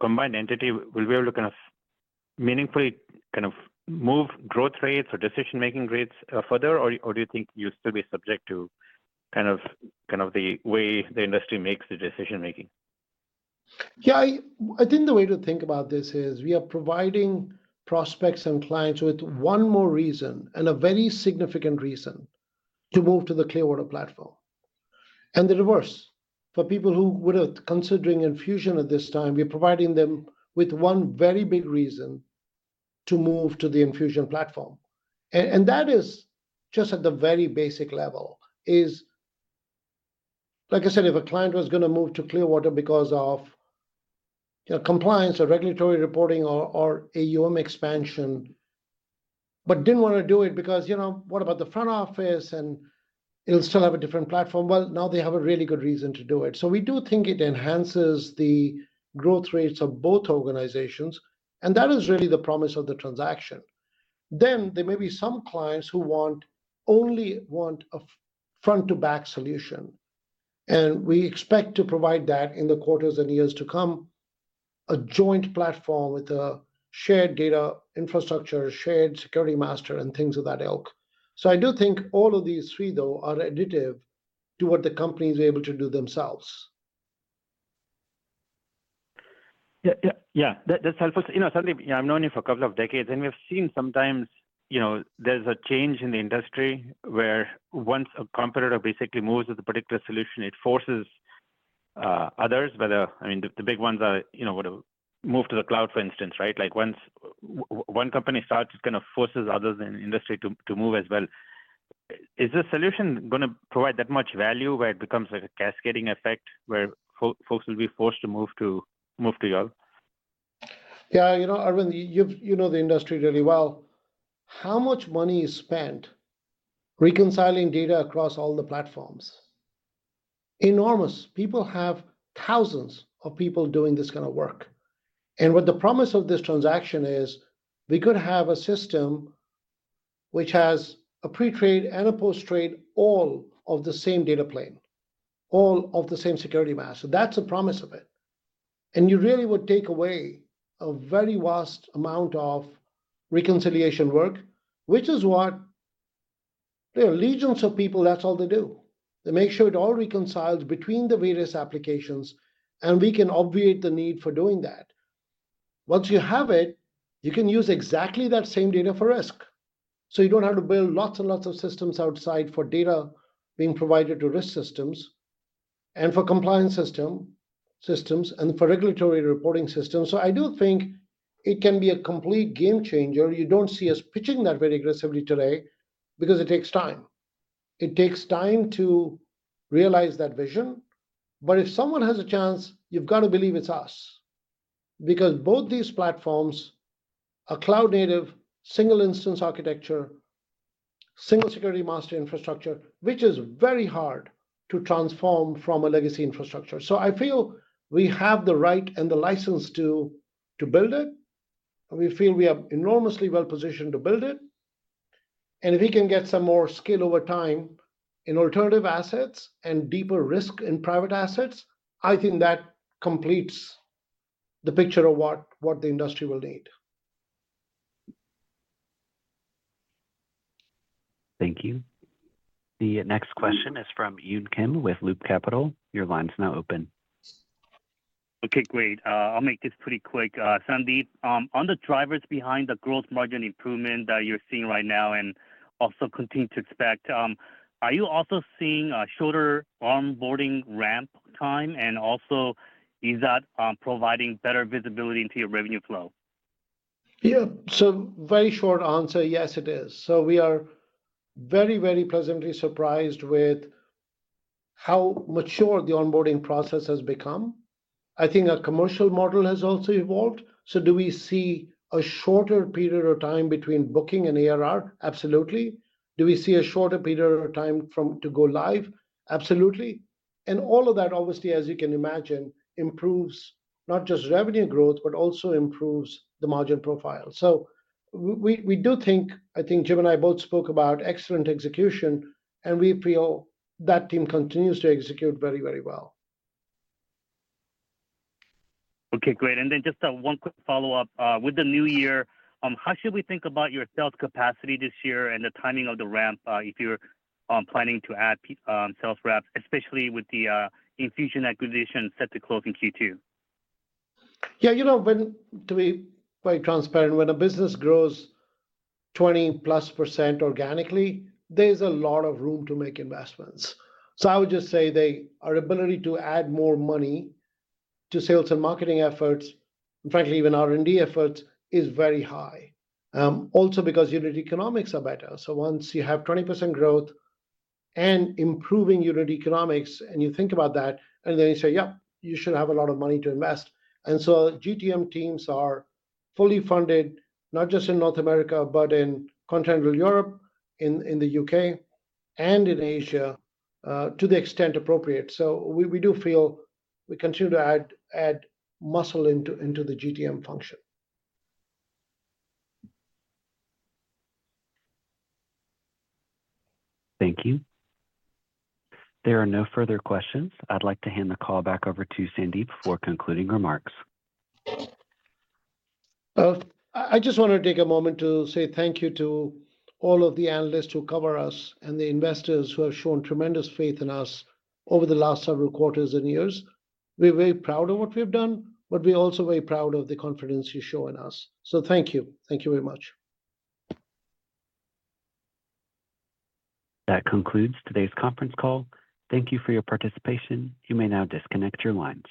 combined entity will be able to kind of meaningfully kind of move growth rates or decision-making rates further, or do you think you'll still be subject to kind of the way the industry makes the decision-making? Yeah. I think the way to think about this is we are providing prospects and clients with one more reason and a very significant reason to move to the Clearwater platform. And the reverse for people who would have considered Enfusion at this time, we are providing them with one very big reason to move to the Enfusion platform. And that is just at the very basic level. Like I said, if a client was going to move to Clearwater because of compliance or regulatory reporting or AUM expansion, but didn't want to do it because what about the front office and it'll still have a different platform? Well, now they have a really good reason to do it. So we do think it enhances the growth rates of both organizations. And that is really the promise of the transaction. Then there may be some clients who only want a front-to-back solution. And we expect to provide that in the quarters and years to come, a joint platform with a shared data infrastructure, shared security master, and things of that ilk. So I do think all of these three, though, are additive to what the company is able to do themselves. Yeah. Yeah. That's helpful. Sadly, I've known you for a couple of decades, and we've seen sometimes there's a change in the industry where once a competitor basically moves with a particular solution, it forces others, whether I mean, the big ones are what move to the cloud, for instance, right? One company starts to kind of force others in the industry to move as well. Is the solution going to provide that much value where it becomes a cascading effect where folks will be forced to move to you all? Yeah. Arvind, you know the industry really well. How much money is spent reconciling data across all the platforms? Enormous. People have thousands of people doing this kind of work. What the promise of this transaction is we could have a system which has a pre-trade and a post-trade all of the same data plane, all of the same security master. That's the promise of it. And you really would take away a very vast amount of reconciliation work, which is what legions of people, that's all they do. They make sure it all reconciles between the various applications, and we can obviate the need for doing that. Once you have it, you can use exactly that same data for risk. So you don't have to build lots and lots of systems outside for data being provided to risk systems and for compliance systems and for regulatory reporting systems. So I do think it can be a complete game changer. You don't see us pitching that very aggressively today because it takes time. It takes time to realize that vision. But if someone has a chance, you've got to believe it's us. Because both these platforms, a cloud-native single-instance architecture, single security master infrastructure, which is very hard to transform from a legacy infrastructure. So I feel we have the right and the license to build it. We feel we are enormously well-positioned to build it. And if we can get some more skill over time in alternative assets and deeper risk in private assets, I think that completes the picture of what the industry will need. Thank you. The next question is from Yun Kim with Loop Capital. Your line's now open. Okay. Great. I'll make this pretty quick. Sandeep, on the drivers behind the growth margin improvement that you're seeing right now and also continue to expect, are you also seeing a shorter onboarding ramp time? Also, is that providing better visibility into your revenue flow? Yeah. So very short answer, yes, it is. So we are very, very pleasantly surprised with how mature the onboarding process has become. I think our commercial model has also evolved. So do we see a shorter period of time between booking and ARR? Absolutely. Do we see a shorter period of time to go live? Absolutely. And all of that, obviously, as you can imagine, improves not just revenue growth, but also improves the margin profile. So we do think, I think Jim and I both spoke about excellent execution, and we feel that team continues to execute very, very well. Okay. Great. And then just one quick follow-up. With the new year, how should we think about your sales capacity this year and the timing of the ramp if you're planning to add sales reps, especially with the Enfusion acquisition set to close in Q2? Yeah. To be quite transparent, when a business grows 20+% organically, there's a lot of room to make investments. So I would just say the ability to add more money to sales and marketing efforts, frankly, even R&D efforts, is very high. Also because unit economics are better. So once you have 20% growth and improving unit economics, and you think about that, and then you say, "Yep, you should have a lot of money to invest." And so GTM teams are fully funded, not just in North America, but in continental Europe, in the UK, and in Asia to the extent appropriate. So we do feel we continue to add muscle into the GTM function. Thank you. There are no further questions. I'd like to hand the call back over to Sandeep for concluding remarks. I just want to take a moment to say thank you to all of the analysts who cover us and the investors who have shown tremendous faith in us over the last several quarters and years. We're very proud of what we've done, but we're also very proud of the confidence you show in us. So thank you. Thank you very much. That concludes today's conference call. Thank you for your participation. You may now disconnect your lines.